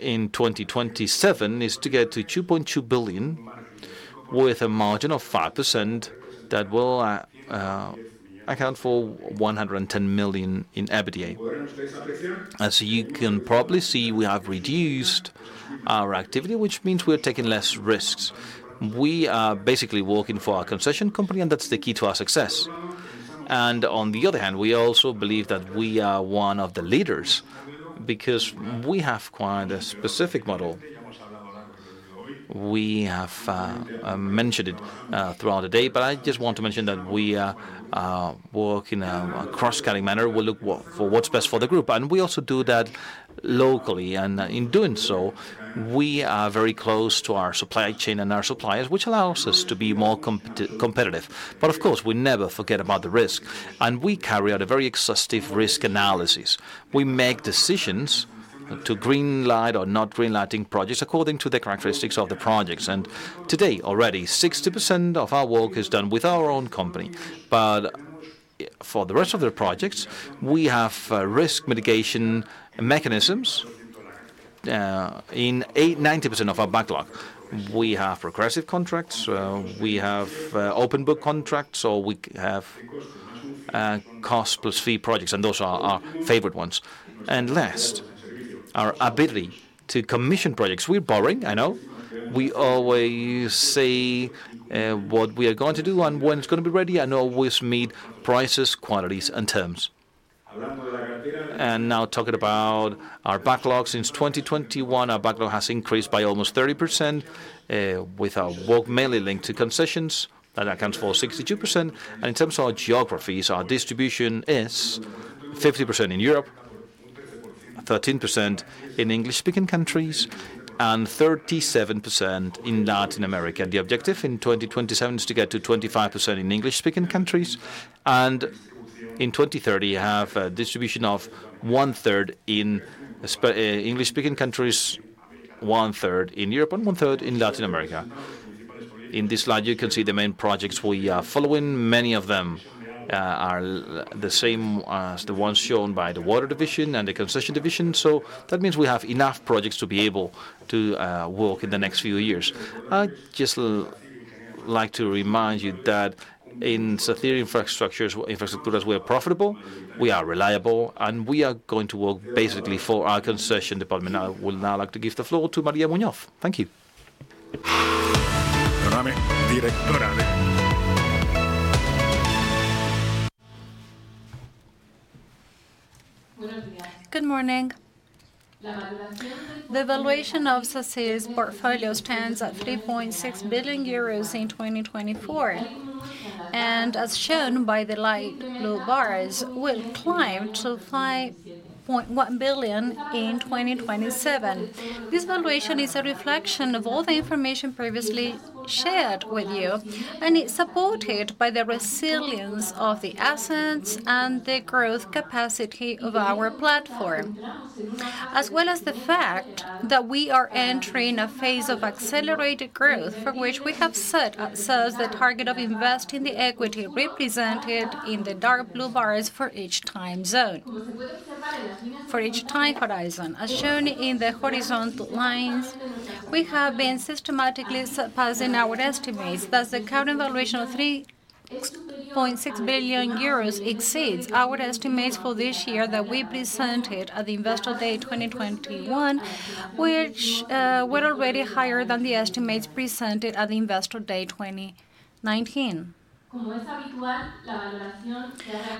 In 2027, it's to get to $2.2 billion with a margin of 5% that will account for $110 million in EBITDA. As you can probably see, we have reduced our activity, which means we are taking less risks. We are basically working for our concession company, and that's the key to our success. On the other hand, we also believe that we are one of the leaders because we have quite a specific model. We have mentioned it throughout the day, but I just want to mention that we work in a cross-cutting manner. We look for what's best for the group, and we also do that locally. In doing so, we are very close to our supply chain and our suppliers, which allows us to be more competitive. But of course, we never forget about the risk, and we carry out a very exhaustive risk analysis. We make decisions to greenlight or not greenlighting projects according to the characteristics of the projects. And today, already, 60% of our work is done with our own company. But for the rest of the projects, we have risk mitigation mechanisms. In 90% of our backlog, we have progressive contracts. We have open book contracts, or we have cost plus fee projects, and those are our favorite ones. And last, our ability to commission projects. We're borrowing, I know. We always see what we are going to do and when it's going to be ready. And always meet prices, qualities, and terms. And now talking about our backlog, since 2021, our backlog has increased by almost 30% with our work mainly linked to concessions that accounts for 62%. In terms of our geographies, our distribution is 50% in Europe, 13% in English-speaking countries, and 37% in Latin America. The objective in 2027 is to get to 25% in English-speaking countries. In 2030, have a distribution of one-third in English-speaking countries, one-third in Europe, and one-third in Latin America. In this slide, you can see the main projects we are following. Many of them are the same as the ones shown by the water division and the concession division. So that means we have enough projects to be able to work in the next few years. I just like to remind you that in Sacyr Infrastructures, we are profitable, we are reliable, and we are going to work basically for our concession department. I would now like to give the floor to María Muñoz. Thank you. Good morning. The valuation of Sacyr's portfolio stands at 3.6 billion euros in 2024. And as shown by the light blue bars, will climb to 5.1 billion in 2027. This valuation is a reflection of all the information previously shared with you, and it's supported by the resilience of the assets and the growth capacity of our platform, as well as the fact that we are entering a phase of accelerated growth for which we have set as the target of investing the equity represented in the dark blue bars for each time horizon. As shown in the horizontal lines, we have been systematically surpassing our estimates that the current valuation of 3.6 billion euros exceeds our estimates for this year that we presented at Investor Day 2021, which were already higher than the estimates presented at Investor Day 2019.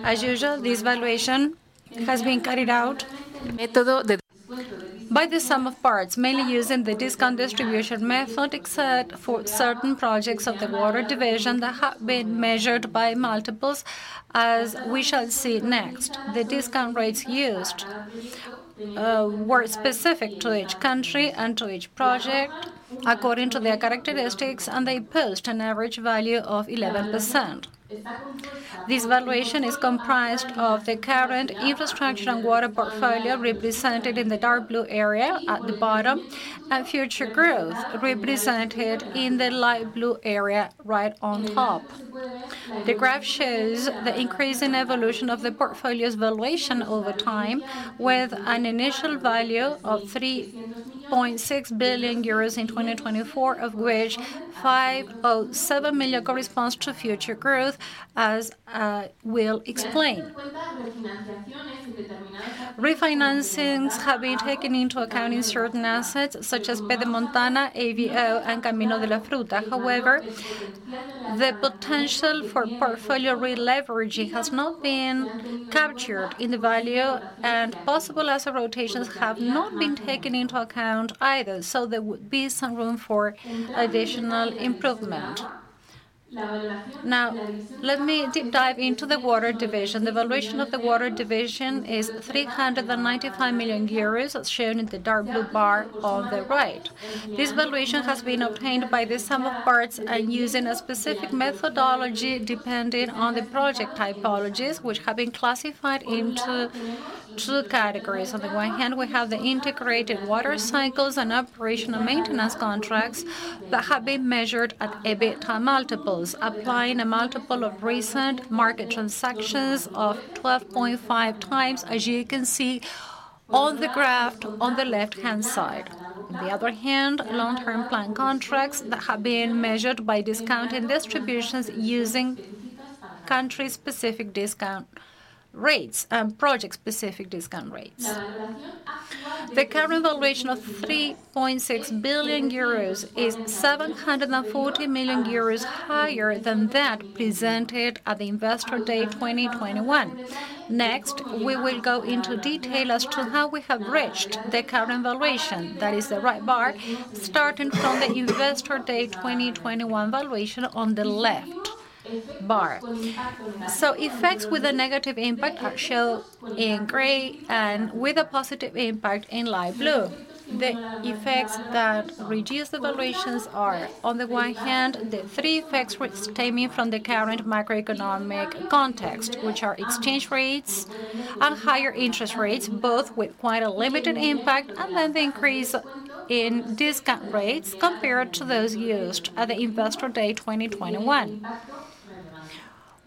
As usual, this valuation has been carried out by the sum of parts, mainly using the discount distribution method, except for certain projects of the water division that have been measured by multiples, as we shall see next. The discount rates used were specific to each country and to each project according to their characteristics, and they post an average value of 11%. This valuation is comprised of the current infrastructure and water portfolio represented in the dark blue area at the bottom and future growth represented in the light blue area right on top. The graph shows the increasing evolution of the portfolio's valuation over time, with an initial value of 3.6 billion euros in 2024, of which 5.7 million corresponds to future growth, as we'll explain. Refinancings have been taken into account in certain assets such as Pedemontana, AVO, and Camino de la Fruta. However, the potential for portfolio re-leveraging has not been captured in the value, and possible asset rotations have not been taken into account either, so there would be some room for additional improvement. Now, let me deep dive into the water division. The valuation of the water division is 395 million euros, as shown in the dark blue bar on the right. This valuation has been obtained by the sum of parts and using a specific methodology depending on the project typologies, which have been classified into two categories. On the one hand, we have the integrated water cycles and operational maintenance contracts that have been measured at EBITDA multiples, applying a multiple of recent market transactions of 12.5x, as you can see on the graph on the left-hand side. On the other hand, long-term plan contracts that have been measured by discounting distributions using country-specific discount rates and project-specific discount rates. The current valuation of 3.6 billion euros is 740 million euros higher than that presented at Investor Day 2021. Next, we will go into detail as to how we have reached the current valuation, that is, the right bar, starting from Investor Day 2021 valuation on the left bar. So effects with a negative impact are shown in gray and with a positive impact in light blue. The effects that reduce the valuations are, on the one hand, the three effects which stem from the current macroeconomic context, which are exchange rates and higher interest rates, both with quite a limited impact, and then the increase in discount rates compared to those used at Investor Day 2021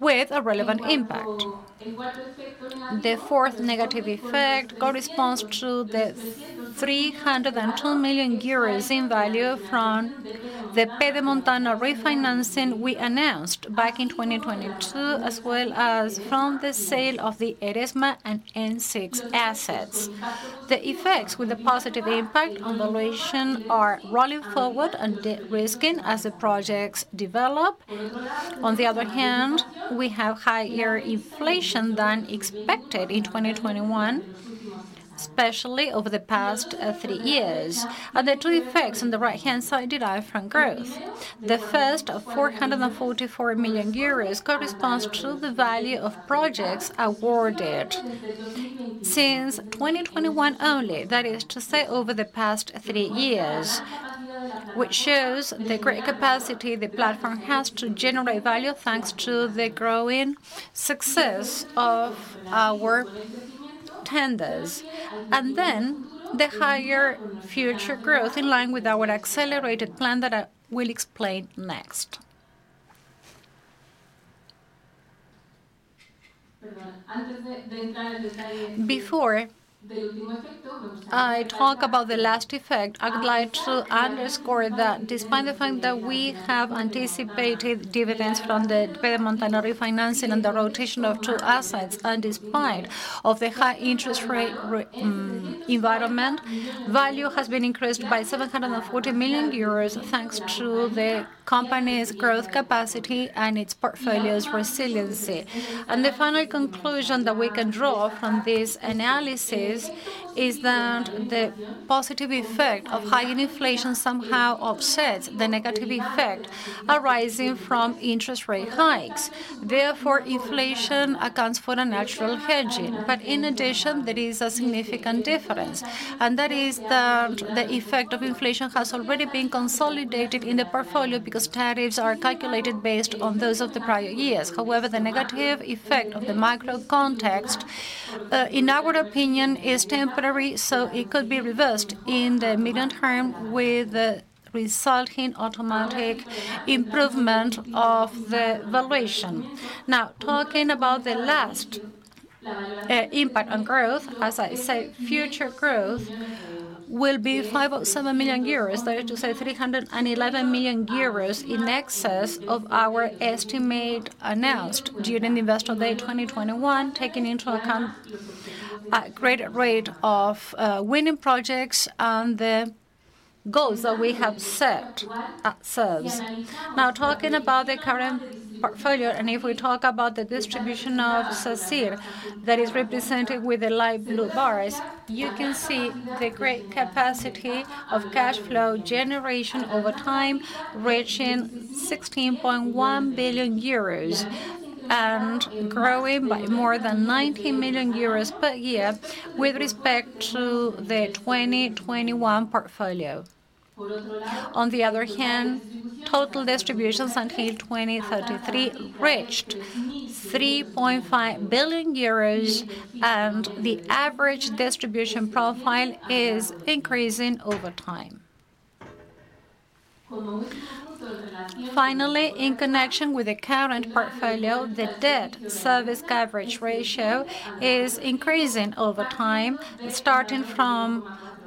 with a relevant impact. The fourth negative effect corresponds to the 310 million euros in value from the Pedemontana refinancing we announced back in 2022, as well as from the sale of the Eresma and N6 assets. The effects with a positive impact on valuation are rolling forward and risking as the projects develop. On the other hand, we have higher inflation than expected in 2021, especially over the past three years. The two effects on the right-hand side derive from growth. The first of 444 million euros corresponds to the value of projects awarded since 2021 only, that is to say, over the past three years, which shows the great capacity the platform has to generate value thanks to the growing success of our tenders, and then the higher future growth in line with our accelerated plan that I will explain next. Before I talk about the last effect, I would like to underscore that despite the fact that we have anticipated dividends from the Pedemontana refinancing and the rotation of two assets, and despite the high interest rate environment, value has been increased by 740 million euros thanks to the company's growth capacity and its portfolio's resiliency. The final conclusion that we can draw from this analysis is that the positive effect of high inflation somehow offsets the negative effect arising from interest rate hikes. Therefore, inflation accounts for a natural hedging. But in addition, there is a significant difference, and that is that the effect of inflation has already been consolidated in the portfolio because tariffs are calculated based on those of the prior years. However, the negative effect of the macro context, in our opinion, is temporary, so it could be reversed in the medium term with resulting automatic improvement of the valuation. Now, talking about the last impact on growth, as I said, future growth will be 5.7 million euros, that is to say, 311 million euros in excess of our estimate announced during Investor Day 2021, taking into account a greater rate of winning projects and the goals that we have set ourselves. Now, talking about the current portfolio, and if we talk about the distribution of Sacyr that is represented with the light blue bars, you can see the great capacity of cash flow generation over time reaching 16.1 billion euros and growing by more than 90 million euros per year with respect to the 2021 portfolio. On the other hand, total distributions until 2033 reached 3.5 billion euros, and the average distribution profile is increasing over time. Finally, in connection with the current portfolio, the debt-service coverage ratio is increasing over time, starting from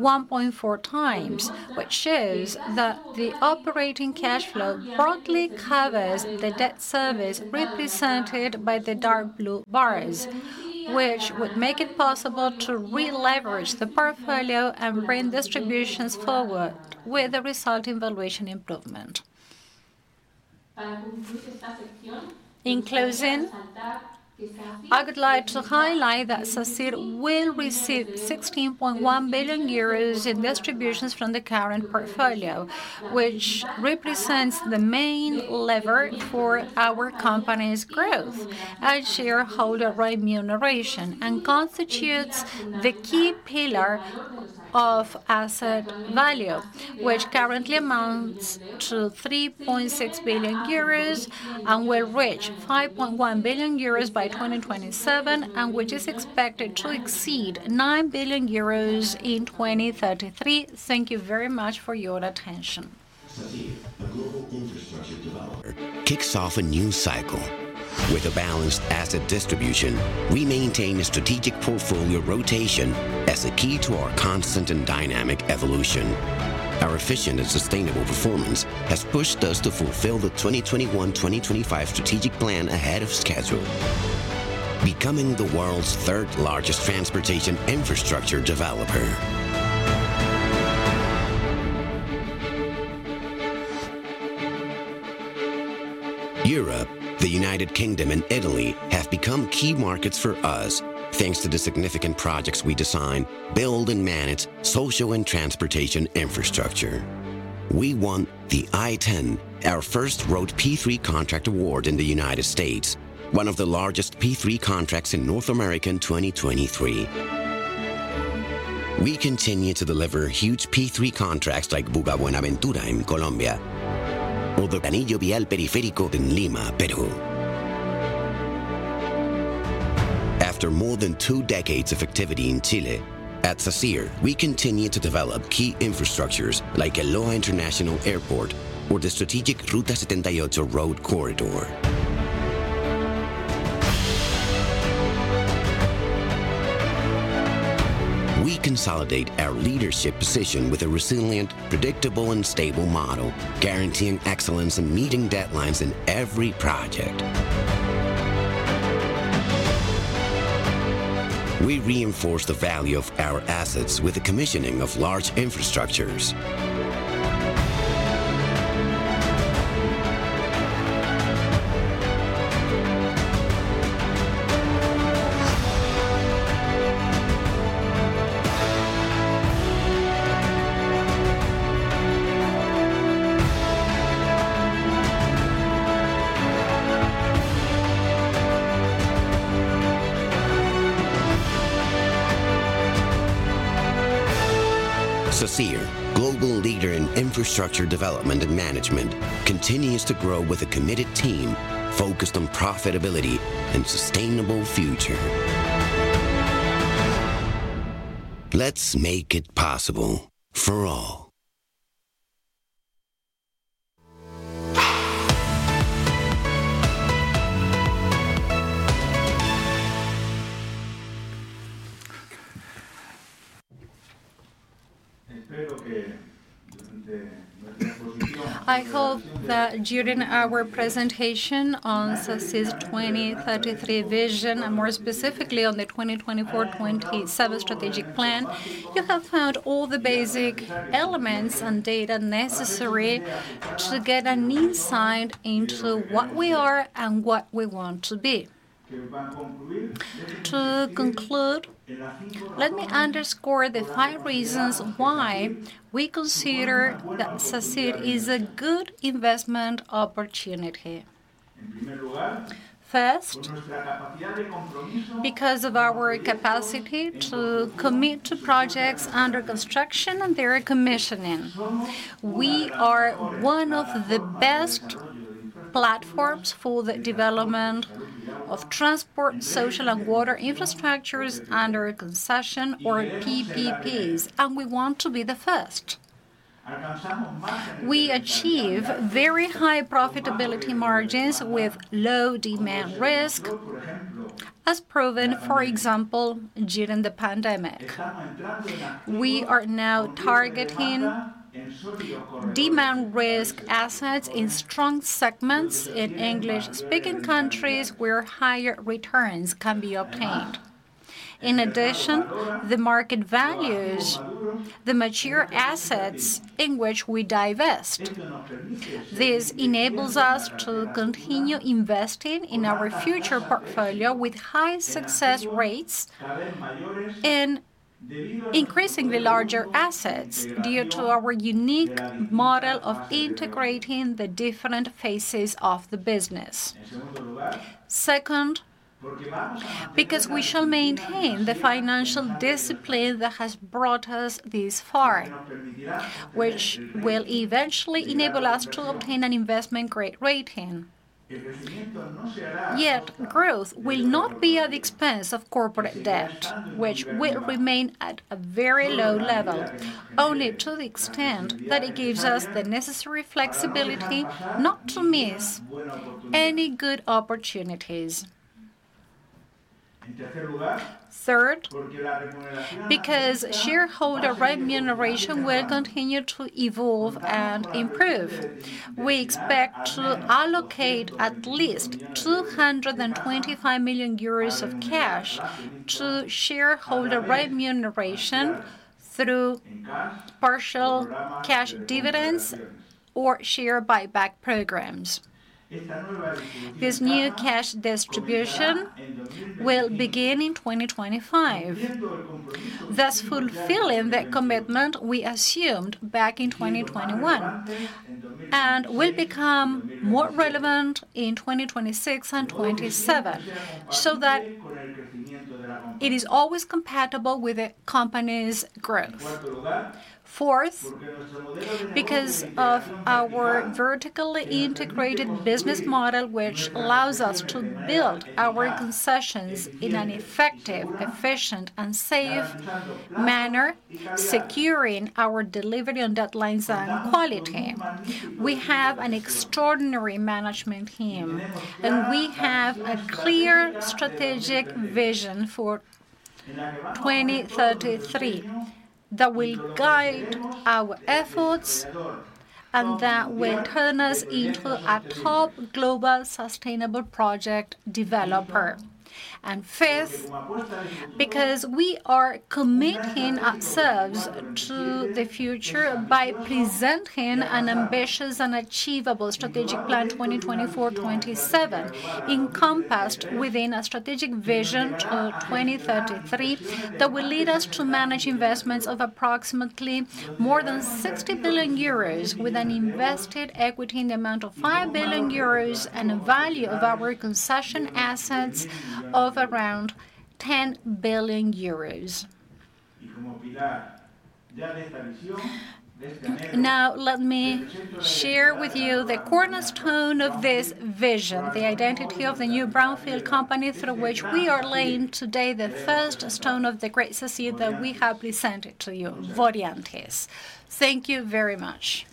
1.4 times, which shows that the operating cash flow broadly covers the debt service represented by the dark blue bars, which would make it possible to re-leverage the portfolio and bring distributions forward with a resulting valuation improvement. In closing, I would like to highlight that Sacyr will receive 16.1 billion euros in distributions from the current portfolio, which represents the main lever for our company's growth and shareholder remuneration and constitutes the key pillar of asset value, which currently amounts to 3.6 billion euros and will reach 5.1 billion euros by 2027, and which is expected to exceed 9 billion euros in 2033. Thank you very much for your attention. Kicks off a new cycle. With a balanced asset distribution, we maintain a strategic portfolio rotation as a key to our constant and dynamic evolution. Our efficient and sustainable performance has pushed us to fulfill the 2021-2025 strategic plan ahead of schedule, becoming the world's third-largest transportation infrastructure developer. Europe, the United Kingdom, and Italy have become key markets for us thanks to the significant projects we design, build, and manage social and transportation infrastructure. We won the I-10, our first road P3 contract award in the United States, one of the largest P3 contracts in North America in 2023. We continue to deliver huge P3 contracts like Buenaventura-Buga in Colombia or the Anillo Vial Periférico in Lima, Peru. After more than two decades of activity in Chile, at Sacyr, we continue to develop key infrastructures like El Loa International Airport or the strategic Ruta 78 road corridor. We consolidate our leadership position with a resilient, predictable, and stable model, guaranteeing excellence and meeting deadlines in every project. We reinforce the value of our assets with the commissioning of large infrastructures. Sacyr, global leader in infrastructure development and management, continues to grow with a committed team focused on profitability and sustainable future. Let's make it possible for all. I hope that during our presentation on Sacyr's 2033 vision, and more specifically on the 2024-2027 strategic plan, you have found all the basic elements and data necessary to get an insight into what we are and what we want to be. To conclude, let me underscore the five reasons why we consider that Sacyr is a good investment opportunity. First. Because of our capacity to commit to projects under construction and their commissioning, we are one of the best platforms for the development of transport, social, and water infrastructures under concession, or PPPs, and we want to be the first. We achieve very high profitability margins with low demand risk, as proven, for example, during the pandemic. We are now targeting demand risk assets in strong segments in English-speaking countries where higher returns can be obtained. In addition, the market values the mature assets in which we divest. This enables us to continue investing in our future portfolio with high success rates and increasingly larger assets due to our unique model of integrating the different phases of the business. Second, because we shall maintain the financial discipline that has brought us this far, which will eventually enable us to obtain an investment grade rating, yet growth will not be at the expense of corporate debt, which will remain at a very low level, only to the extent that it gives us the necessary flexibility not to miss any good opportunities. Third, because shareholder remuneration will continue to evolve and improve, we expect to allocate at least 225 million euros of cash to shareholder remuneration through partial cash dividends or share buyback programs. This new cash distribution will begin in 2025, thus fulfilling the commitment we assumed back in 2021 and will become more relevant in 2026 and 2027 so that it is always compatible with the company's growth. Fourth, because of our vertically integrated business model, which allows us to build our concessions in an effective, efficient, and safe manner, securing our delivery on deadlines and quality. We have an extraordinary management team, and we have a clear strategic vision for 2033 that will guide our efforts and that will turn us into a top global sustainable project developer. And fifth, because we are committing ourselves to the future by presenting an ambitious and achievable strategic plan 2024-27 encompassed within a strategic vision to 2033 that will lead us to manage investments of approximately more than 60 billion euros with an invested equity in the amount of 5 billion euros and a value of our concession assets of around 10 billion euros. Now, let me share with you the cornerstone of this vision, the identity of the new Brownfield company through which we are laying today the first stone of the great Sacyr that we have presented to you, Voreantis. Thank you very much.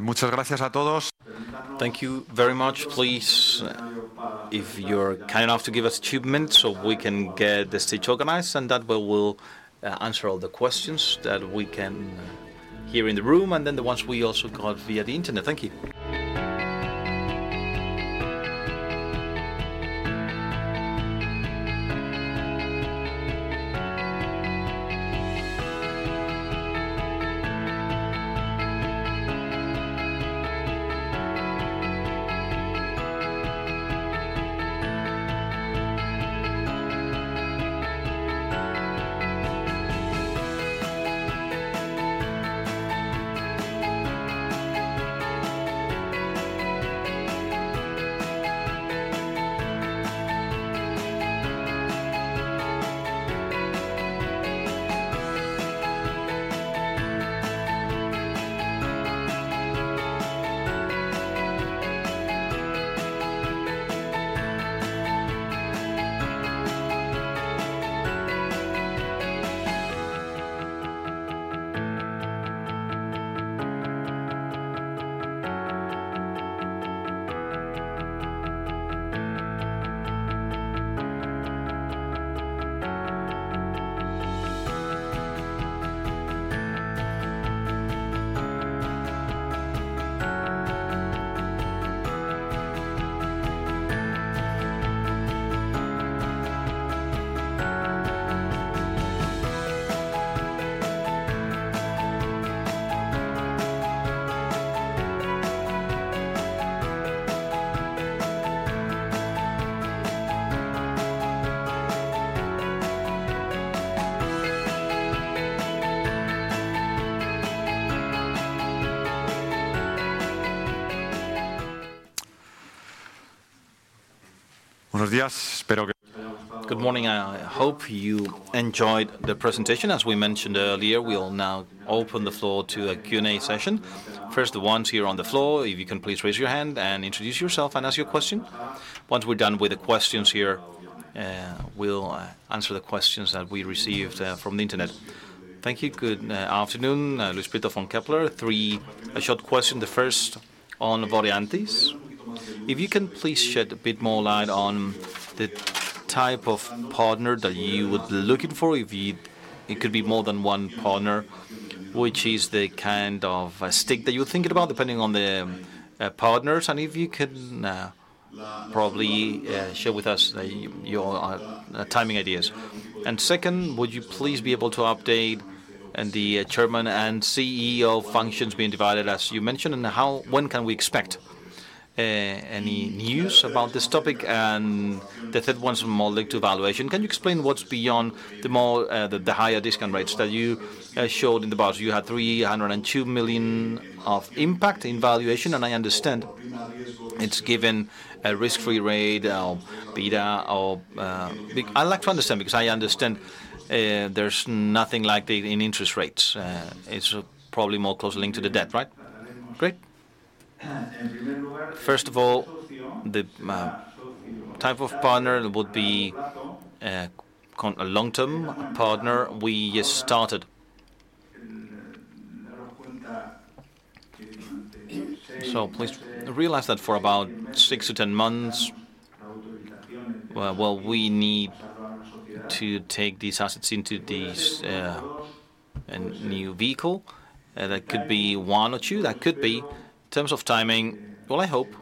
Muchas gracias a todos. Thank you very much. Please, if you're kind enough to give us 2 minutes so we can get the stage organized, and that way we'll answer all the questions that we can hear in the room and then the ones we also got via the internet. Thank you. Good morning. I hope you enjoyed the presentation. As we mentioned earlier, we'll now open the floor to a Q&A session. First, the ones here on the floor, if you can please raise your hand and introduce yourself and ask your question. Once we're done with the questions here, we'll answer the questions that we received from the internet. Thank you. Good afternoon, Luis Prieto. Three, a short question. The first on Voreantis. If you can please shed a bit more light on the type of partner that you would be looking for, if it could be more than one partner, which is the kind of stake that you're thinking about depending on the partners, and if you can probably share with us your timing ideas. Second, would you please be able to update the Chairman and CEO functions being divided, as you mentioned, and when can we expect any news about this topic? And the third one is more linked to valuation. Can you explain what's beyond the higher discount rates that you showed in the box? You had 302 million of impact in valuation, and I understand it's given a risk-free rate or beta. I like to understand because I understand there's nothing like it in interest rates. It's probably more closely linked to the debt, right? Great. First of all, the type of partner would be a long-term partner we started. So please realize that for about 6-10 months, well, we need to take these assets into this new vehicle. That could be one or two. That could be, in terms of timing, well, I hope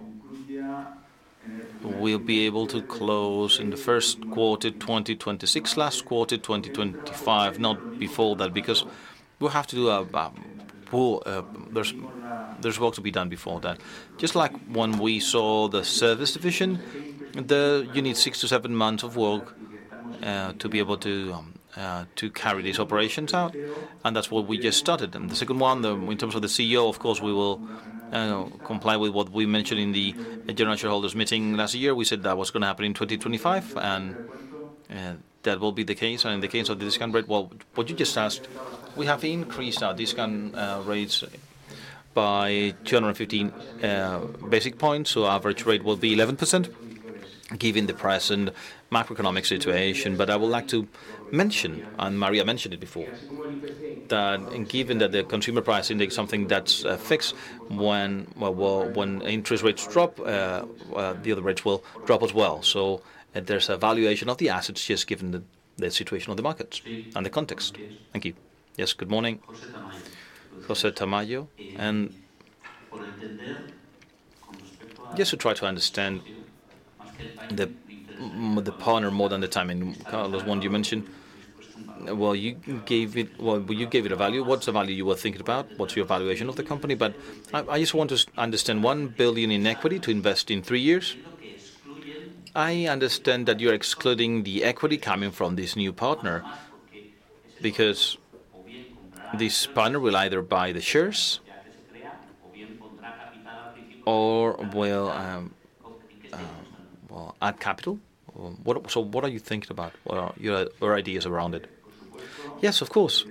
we'll be able to close in the first quarter 2026, last quarter 2025, not before that because we'll have to do. There's work to be done before that. Just like when we saw the service division, you need six to seven months of work to be able to carry these operations out, and that's what we just started. And the second one, in terms of the CEO, of course, we will comply with what we mentioned in the general shareholders' meeting last year. We said that was going to happen in 2025, and that will be the case. And in the case of the discount rate, well, what you just asked, we have increased our discount rates by 215 basis points, so average rate will be 11% given the present macroeconomic situation. But I would like to mention, and María mentioned it before, that given that the consumer price index is something that's fixed, when interest rates drop, the other rates will drop as well. So there's a valuation of the assets just given the situation of the markets and the context. Thank you. Yes, good morning. José Tamayo. And yes, to try to understand the partner more than the timing. Carlos one, you mentioned, well, you gave it a value. What's the value you were thinking about? What's your valuation of the company? But I just want to understand, $1 billion in equity to invest in three years. I understand that you're excluding the equity coming from this new partner because this partner will either buy the shares or add capital. So what are you thinking about or ideas around it? Yes, of course.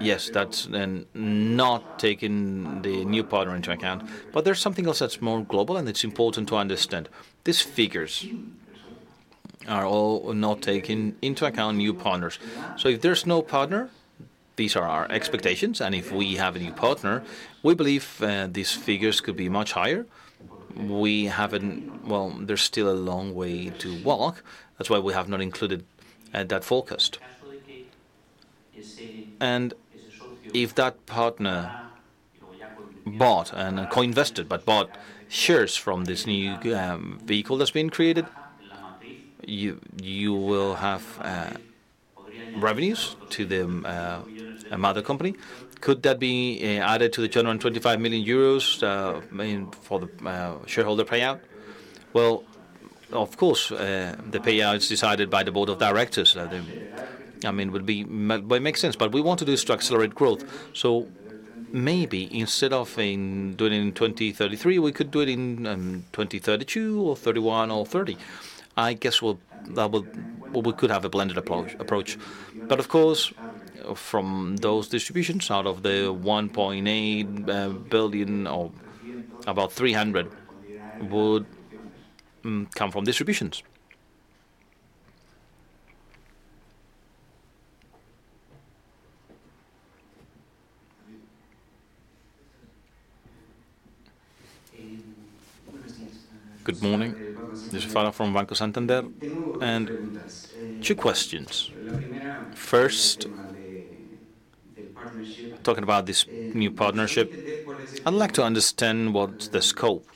Yes, that's not taking the new partner into account. But there's something else that's more global, and it's important to understand. These figures are all not taking into account new partners. So if there's no partner, these are our expectations. And if we have a new partner, we believe these figures could be much higher. Well, there's still a long way to walk. That's why we have not included that forecast. And if that partner bought and co-invested, but bought shares from this new vehicle that's being created, you will have revenues to the mother company. Could that be added to the 225 million euros for the shareholder payout? Well, of course, the payout is decided by the board of directors. I mean, it would make sense, but we want to do structured growth. So maybe instead of doing it in 2033, we could do it in 2032 or 2031 or 2030. I guess we could have a blended approach. But of course, from those distributions, out of the 1.8 billion or about 300 million would come from distributions. Good morning. This is Faro from Banco Santander. And two questions. First, talking about this new partnership, I'd like to understand what's the scope.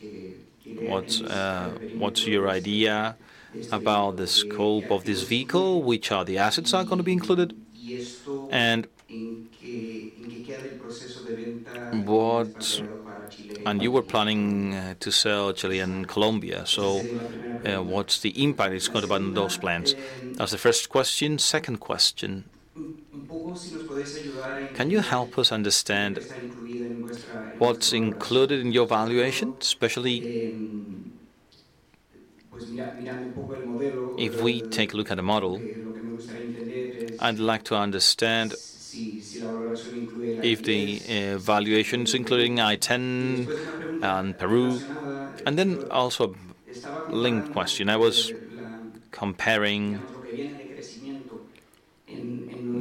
What's your idea about the scope of this vehicle, which are the assets that are going to be included? And what and you were planning to sell Chile and Colombia. So what's the impact it's going to have on those plans? That's the first question. Second question. Can you help us understand what's included in your valuation, especially if we take a look at the model? I'd like to understand if the valuation is including I-10 and Peru. And then also a linked question. I was comparing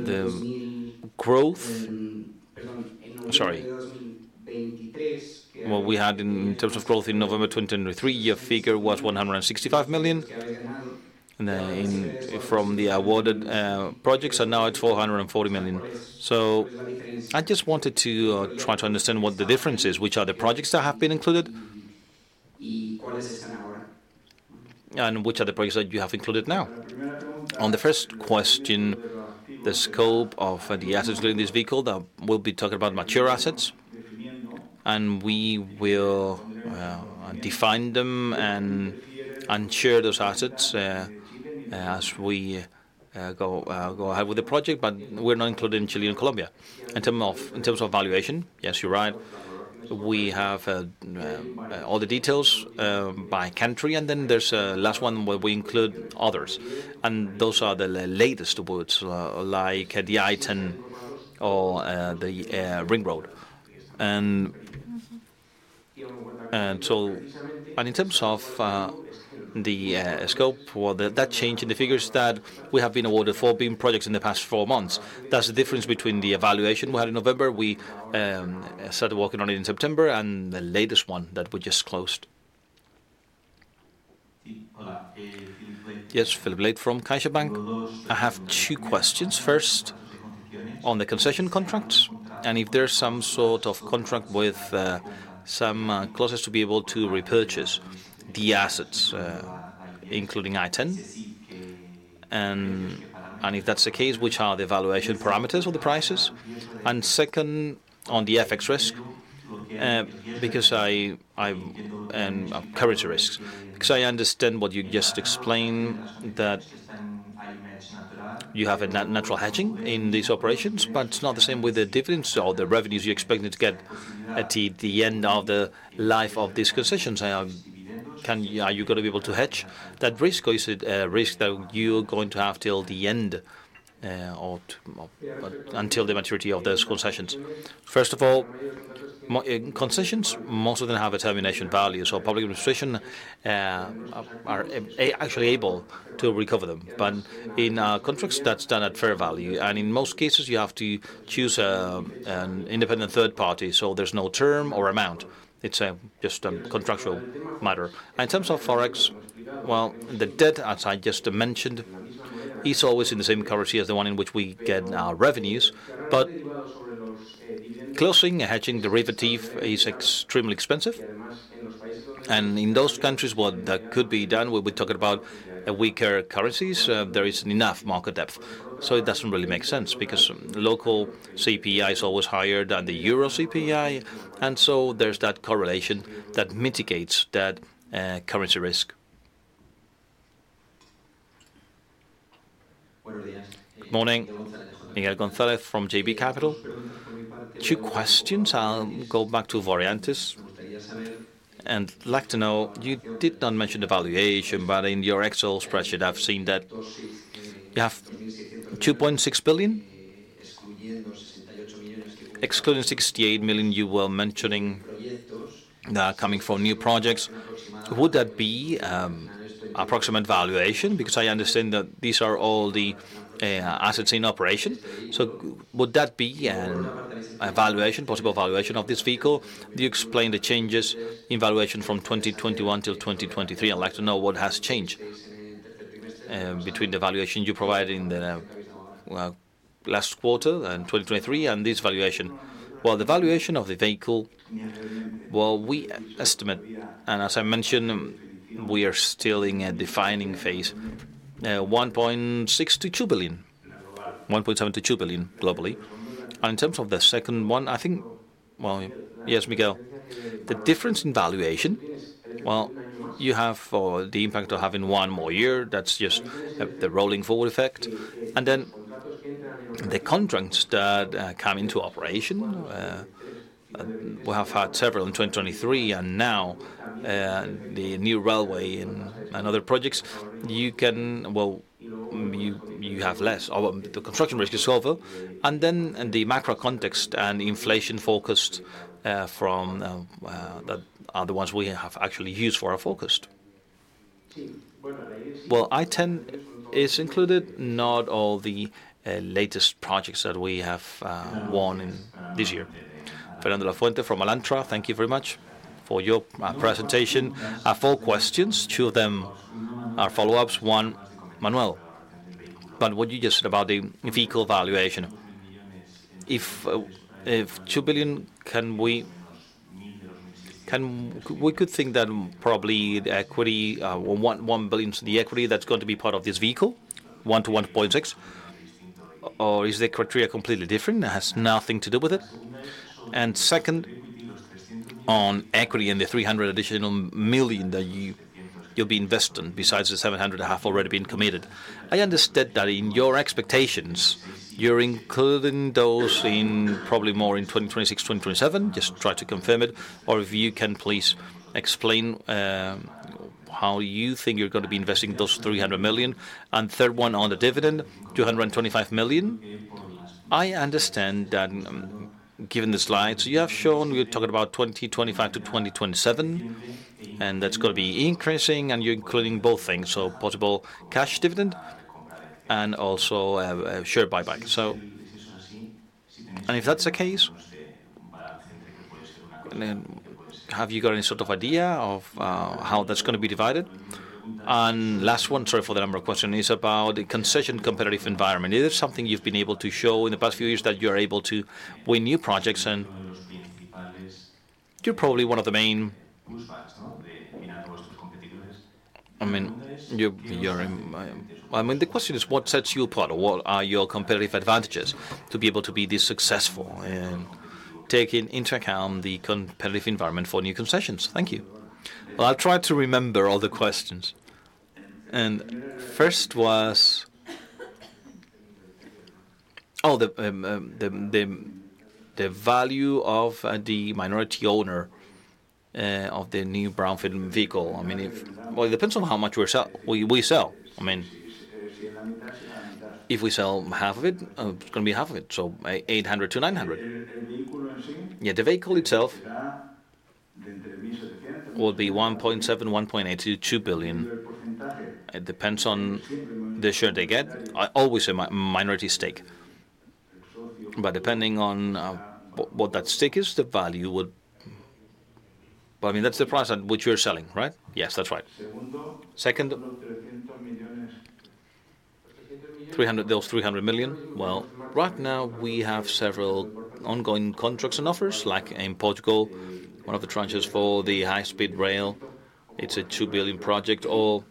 the growth. Well, we had, in terms of growth, in November 2023, your figure was 165 million from the awarded projects, and now it's 440 million. So I just wanted to try to understand what the difference is, which are the projects that have been included and which are the projects that you have included now. On the first question, the scope of the assets including this vehicle, we'll be talking about mature assets, and we will define them and share those assets as we go ahead with the project. But we're not including Chile and Colombia. In terms of valuation, yes, you're right. We have all the details by country. And then there's a last one where we include others. And those are the latest awards, like the I-10 or the ring road. In terms of the scope, well, that change in the figures that we have been awarded for being projects in the past four months, that's the difference between the evaluation we had in November. We started working on it in September and the latest one that we just closed. Yes, Filipe Martins Leite from BPI CaixaBank. I have two questions. First, on the concession contracts and if there's some sort of contract with some clauses to be able to repurchase the assets, including I-10, and if that's the case, which are the valuation parameters of the prices? And second, on the FX risk because I've covered the risks. Because I understand what you just explained, that you have a natural hedging in these operations, but it's not the same with the dividends or the revenues you're expecting to get at the end of the life of these concessions. Are you going to be able to hedge that risk, or is it a risk that you're going to have till the end or until the maturity of those concessions? First of all, concessions, most of them have a termination value, so public administrations are actually able to recover them. But in contracts, that's done at fair value. And in most cases, you have to choose an independent third party, so there's no term or amount. It's just a contractual matter. And in terms of forex, well, the debt as I just mentioned is always in the same currency as the one in which we get our revenues. But closing, hedging, derivative is extremely expensive. And in those countries, what could be done, we'll be talking about weaker currencies. There isn't enough market depth. So it doesn't really make sense because local CPI is always higher than the euro CPI. And so there's that correlation that mitigates that currency risk. Good morning. Miguel González from JB Capital. Two questions. I'll go back to Voreantis. And I'd like to know, you did not mention the valuation, but in your Excel spreadsheet, I've seen that you have 2.6 billion. Excluding 68 million, you were mentioning that coming from new projects. Would that be approximate valuation? Because I understand that these are all the assets in operation. So would that be a possible valuation of this vehicle? Do you explain the changes in valuation from 2021 till 2023? I'd like to know what has changed between the valuation you provided in the last quarter and 2023 and this valuation? Well, the valuation of the vehicle, well, we estimate, and as I mentioned, we are still in a defining phase, 1.6 billion-2 billion, 1.7 billion-2 billion globally. And in terms of the second one, I think, well, yes, Miguel. The difference in valuation, well, you have the impact of having one more year. That's just the rolling forward effect. And then the contracts that come into operation, we have had several in 2023 and now the new railway and other projects, well, you have less. The construction risk is over. And then the macro context and inflation-focused from that are the ones we have actually used for our focus. Well, I-10 is included, not all the latest projects that we have won this year. Fernando Lafuente from Alantra, thank you very much for your presentation. I have four questions. Two of them are follow-ups. One, Manuel. But what you just said about the vehicle valuation, if EUR 2 billion, we could think that probably the equity, 1 billion is the equity that's going to be part of this vehicle, 1 to 1.6, or is the criteria completely different? It has nothing to do with it. And second, on equity and the 300 million additional million that you'll be investing besides the 700 million I have already been committed, I understand that in your expectations, you're including those in probably more in 2026, 2027. Just try to confirm it. Or if you can please explain how you think you're going to be investing those 300 million. And third one, on the dividend, 225 million. I understand that given the slides, you have shown we're talking about 2025 to 2027, and that's going to be increasing. And you're including both things, so possible cash dividend and also share buyback. And if that's the case, have you got any sort of idea of how that's going to be divided? And last one, sorry for the number of questions, is about the concession competitive environment. Is there something you've been able to show in the past few years that you are able to win new projects? And you're probably one of the main I mean, the question is, what sets you apart? What are your competitive advantages to be able to be this successful in taking into account the competitive environment for new concessions? Thank you. Well, I'll try to remember all the questions. And first was, oh, the value of the minority owner of the new brownfield vehicle. I mean, well, it depends on how much we sell. I mean, if we sell half of it, it's going to be half of it, so 800- 900. Yeah, the vehicle itself would be 1.7-1.8 billion to 2 billion. It depends on the share they get. I always say minority stake. But depending on what that stake is, the value would but I mean, that's the price at which you're selling, right? Yes, that's right. Second, those 300 million, well, right now, we have several ongoing contracts and offers, like in Portugal, one of the tranches for the high-speed rail. It's a 2 billion project or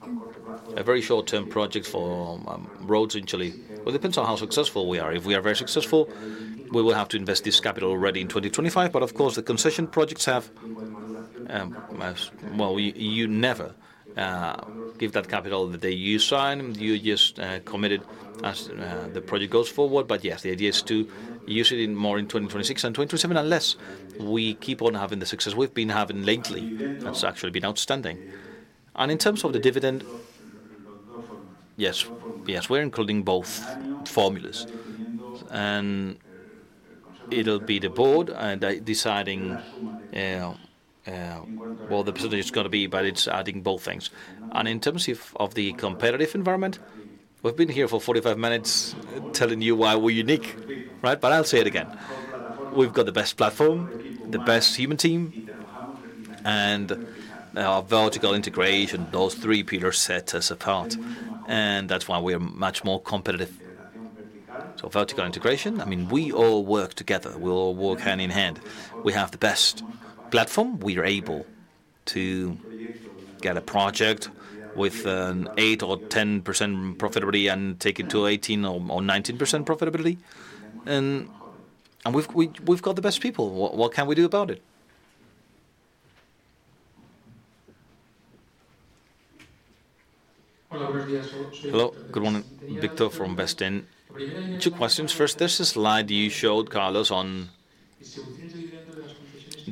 a very short-term project for roads in Chile. Well, it depends on how successful we are. If we are very successful, we will have to invest this capital already in 2025. But of course, the concession projects have well, you never give that capital that you sign. You just committed as the project goes forward. But yes, the idea is to use it more in 2026 and 2027 unless we keep on having the success we've been having lately. That's actually been outstanding. And in terms of the dividend, yes, we're including both formulas. And it'll be the board deciding what the percentage is going to be, but it's adding both things. And in terms of the competitive environment, we've been here for 45 minutes telling you why we're unique, right? But I'll say it again. We've got the best platform, the best human team, and our vertical integration. Those three pillars set us apart. And that's why we are much more competitive. So vertical integration, I mean, we all work together. We all work hand in hand. We have the best platform. We are able to get a project with an 8%-10% profitability and take it to 18%-19% profitability. And we've got the best people. What can we do about it? Hello. Good morning, Víctor from Bestinver. Two questions. First, there's a slide you showed, Carlos, on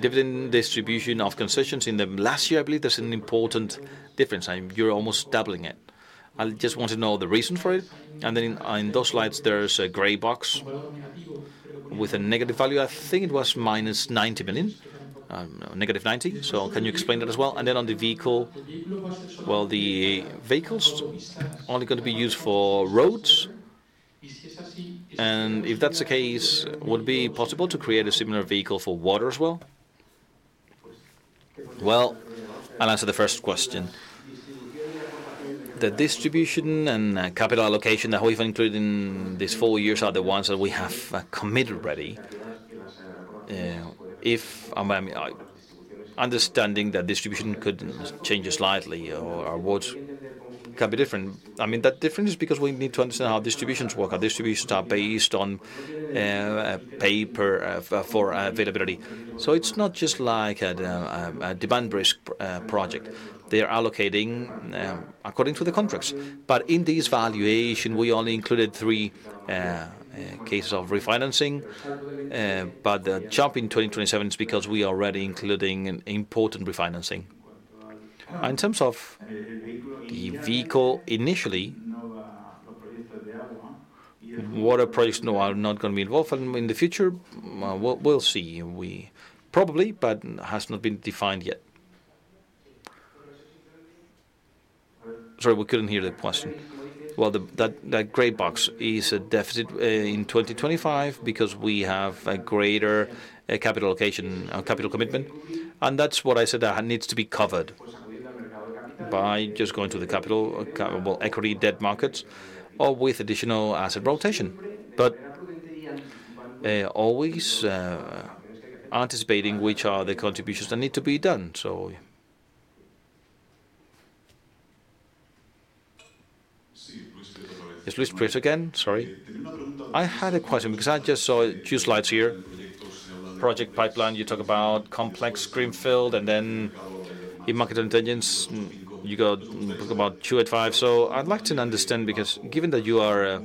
dividend distribution of concessions. In the last year, I believe there's an important difference. You're almost doubling it. I just want to know the reason for it. And then in those slides, there's a gray box with a negative value. I think it was minus 90 million, negative 90. So can you explain that as well? And then on the vehicle, well, the vehicle's only going to be used for roads. And if that's the case, would it be possible to create a similar vehicle for water as well? Well, I'll answer the first question. The distribution and capital allocation that we've included in these four years are the ones that we have committed already. I mean, understanding that distribution could change slightly or awards can be different. I mean, that difference is because we need to understand how distributions work. Our distributions are based on pay-for availability. So it's not just like a demand risk project. They're allocating according to the contracts. But in this valuation, we only included three cases of refinancing. But the jump in 2027 is because we are already including important refinancing. In terms of the vehicle initially, water projects, no, are not going to be involved. And in the future, we'll see. Probably, but has not been defined yet. Sorry, we couldn't hear the question. Well, that gray box is a deficit in 2025 because we have a greater capital allocation, capital commitment. And that's what I said that needs to be covered by just going to the capital, well, equity debt markets or with additional asset rotation. But always anticipating which are the contributions that need to be done, so. Is Luis Prieto again? Sorry. I had a question because I just saw two slides here. Project pipeline, you talk about complex greenfield. And then in market intelligence, you talk about 285. So I'd like to understand because given that you are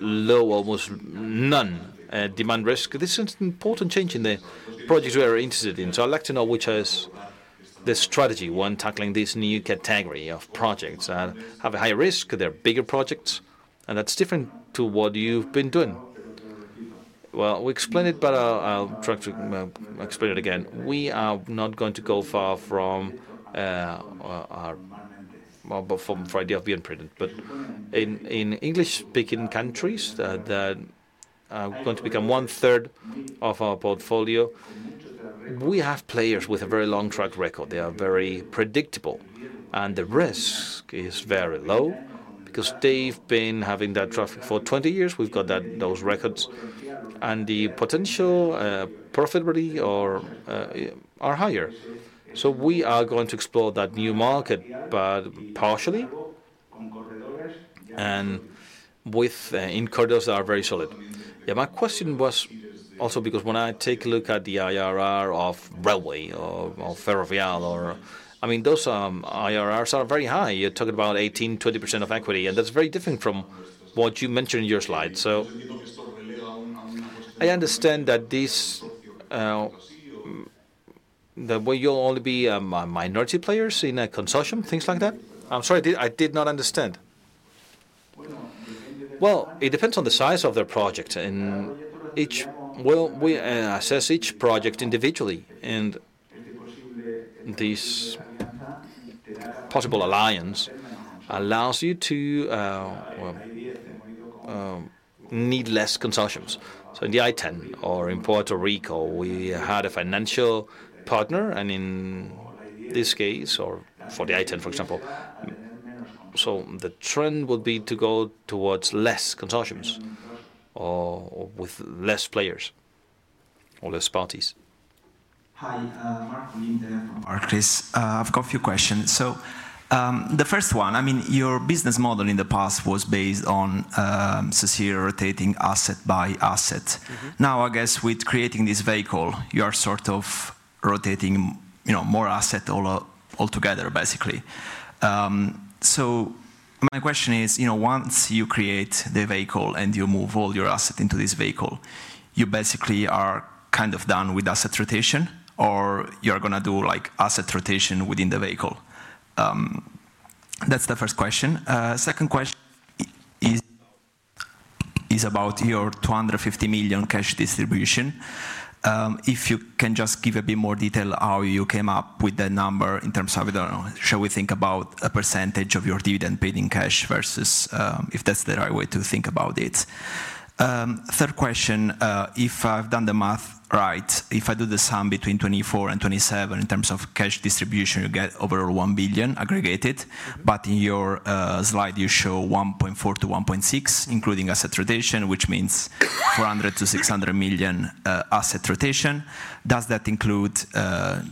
low, almost none, demand risk, this is an important change in the projects we are interested in. So I'd like to know which is the strategy, one, tackling this new category of projects that have a higher risk. They're bigger projects. And that's different to what you've been doing. Well, we explained it, but I'll try to explain it again. We are not going to go far from our idea of being prudent. But in English-speaking countries that are going to become one-third of our portfolio, we have players with a very long track record. They are very predictable. And the risk is very low because they've been having that traffic for 20 years. We've got those records. And the potential profitability are higher. So we are going to explore that new market, but partially and within corridors that are very solid. Yeah, my question was also because when I take a look at the IRR of railway or Ferrovial, I mean, those IRRs are very high. You're talking about 18%-20% of equity. And that's very different from what you mentioned in your slide. So I understand that this will only be minority players in a consortium, things like that. I'm sorry, I did not understand. Well, it depends on the size of their project. Well, we assess each project individually. This possible alliance allows you to need less consortiums. In the I-10 or in Puerto Rico, we had a financial partner. In this case, or for the I-10, for example. The trend would be to go towards less consortiums or with less players or less parties. Hi, Marco Linde from Arcris. I've got a few questions. The first one, I mean, your business model in the past was based on secure rotating asset by asset. Now, I guess with creating this vehicle, you are sort of rotating more asset altogether, basically. My question is, once you create the vehicle and you move all your asset into this vehicle, you basically are kind of done with asset rotation, or you're going to do asset rotation within the vehicle? That's the first question. Second question is about your 250 million cash distribution. If you can just give a bit more detail how you came up with that number in terms of, I don't know, shall we think about a percentage of your dividend paid in cash versus if that's the right way to think about it? Third question, if I've done the math right, if I do the sum between 24 and 27 in terms of cash distribution, you get overall 1 billion aggregated. But in your slide, you show 1.4 billion-1.6 billion including asset rotation, which means 400 million-600 million asset rotation. Does that include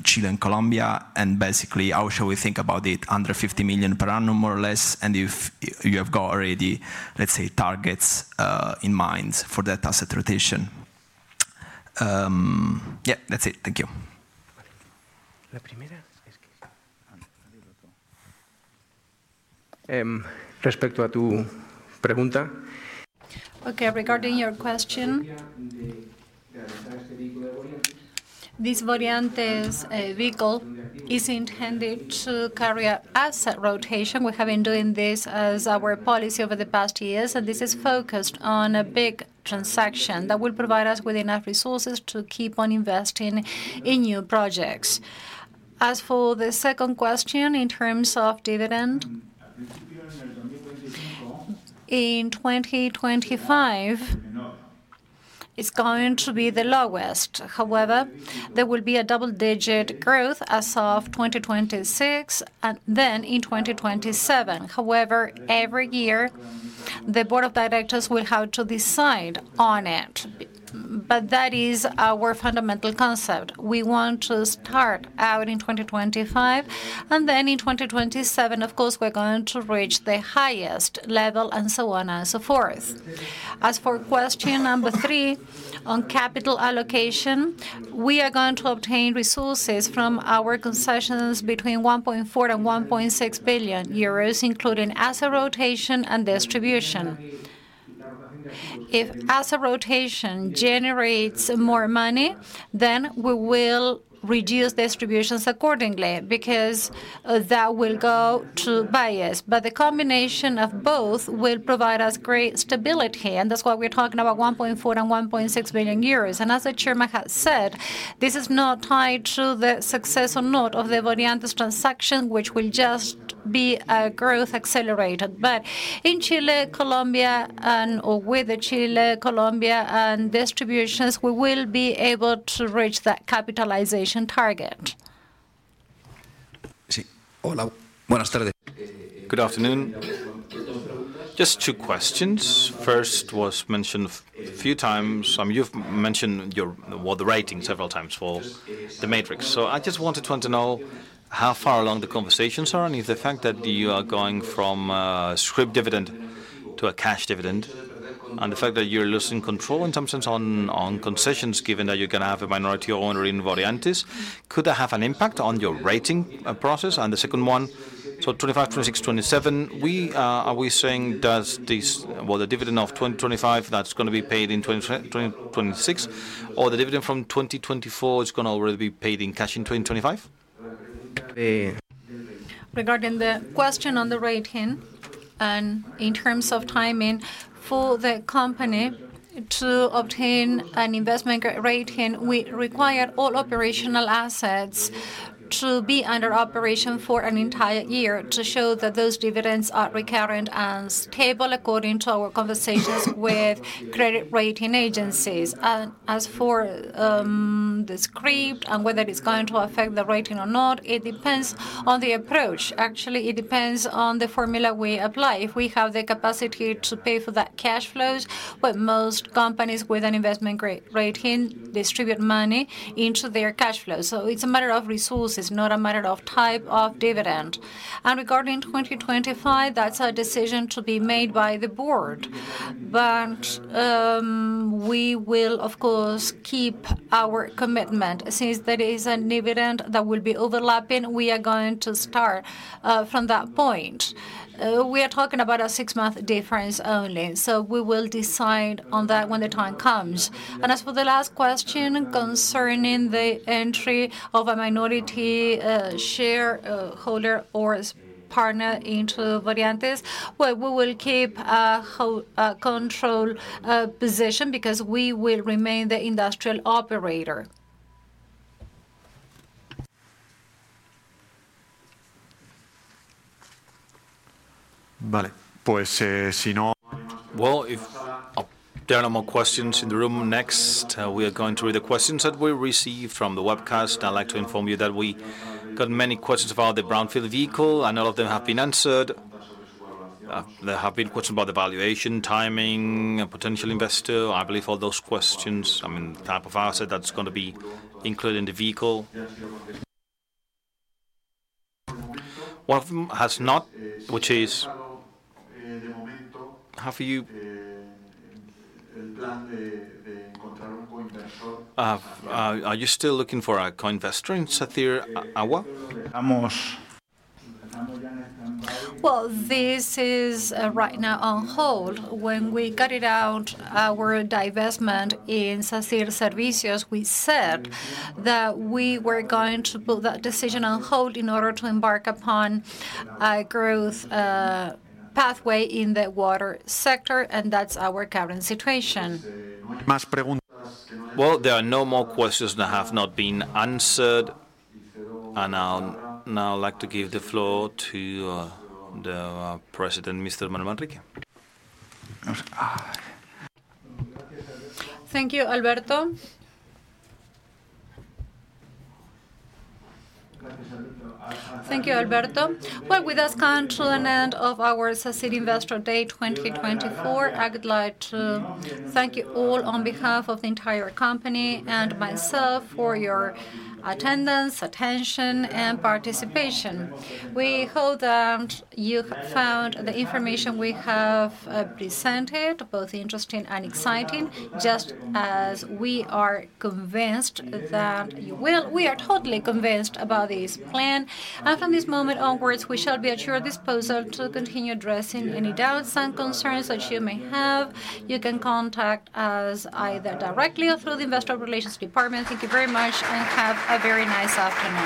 Chile and Colombia? And basically, how shall we think about it, under 50 million per annum more or less? And if you have got already, let's say, targets in mind for that asset rotation. Yeah, that's it. Thank you. Respecto a tu pregunta. Okay, regarding your question, this Voreantis vehicle is intended to carry asset rotation. We have been doing this as our policy over the past years. This is focused on a big transaction that will provide us with enough resources to keep on investing in new projects. As for the second question, in terms of dividend, in 2025, it's going to be the lowest. However, there will be a double-digit growth as of 2026 and then in 2027. However, every year, the board of directors will have to decide on it. But that is our fundamental concept. We want to start out in 2025. Then in 2027, of course, we're going to reach the highest level and so on and so forth. As for question number 3 on capital allocation, we are going to obtain resources from our concessions between 1.4 billion and 1.6 billion euros, including asset rotation and distribution. If asset rotation generates more money, then we will reduce distributions accordingly because that will go to bias. But the combination of both will provide us great stability. And that's why we're talking about 1.4 billion and 1.6 billion euros. And as the chairman has said, this is not tied to the success or not of the Voreantis transaction, which will just be a growth accelerator. But in Chile, Colombia, and with the Chile, Colombia and distributions, we will be able to reach that capitalization target. Good afternoon. Just 2 questions. First was mentioned a few times. You've mentioned the rating several times for the matrix. So I just wanted to know how far along the conversations are. And if the fact that you are going from a scrip dividend to a cash dividend and the fact that you're losing control in some sense on concessions, given that you're going to have a minority owner in Voreantis, could that have an impact on your rating process? And the second one, so 25, 26, 27, are we saying that the dividend of 2025 that's going to be paid in 2026 or the dividend from 2024 is going to already be paid in cash in 2025? Regarding the question on the rating and in terms of timing, for the company to obtain an investment-grade rating, we require all operational assets to be under operation for an entire year to show that those dividends are recurrent and stable according to our conversations with credit rating agencies. As for the scrip and whether it's going to affect the rating or not, it depends on the approach. Actually, it depends on the formula we apply. If we have the capacity to pay for that cash flow. But most companies with an investment rating distribute money into their cash flow. So it's a matter of resources, not a matter of type of dividend. Regarding 2025, that's a decision to be made by the board. We will, of course, keep our commitment. Since there is an event that will be overlapping, we are going to start from that point. We are talking about a six-month difference only. So we will decide on that when the time comes. And as for the last question concerning the entry of a minority shareholder or partner into Voreantis, well, we will keep a control position because we will remain the industrial operator. Well, if there are no more questions in the room, next, we are going to read the questions that we received from the webcast. I'd like to inform you that we got many questions about the brownfield vehicle. And all of them have been answered. There have been questions about the valuation, timing, potential investor. I believe all those questions, I mean, the type of asset that's going to be included in the vehicle. One of them has not, which is, are you still looking for a co-investor in Sacyr Agua? Well, this is right now on hold. When we got out our divestment in Sacyr Servicios, we said that we were going to put that decision on hold in order to embark upon a growth pathway in the water sector. That's our current situation. Well, there are no more questions that have not been answered. I'd now like to give the floor to the president, Mr. Manuel Manrique. Thank you, Alberto. Thank you, Alberto. Well, with us coming to an end of our Sacyr Investor Day 2024, I would like to thank you all on behalf of the entire company and myself for your attendance, attention, and participation. We hope that you found the information we have presented both interesting and exciting, just as we are convinced that you will. We are totally convinced about this plan. From this moment onwards, we shall be at your disposal to continue addressing any doubts and concerns that you may have. You can contact us either directly or through the Investor Relations Department. Thank you very much. Have a very nice afternoon.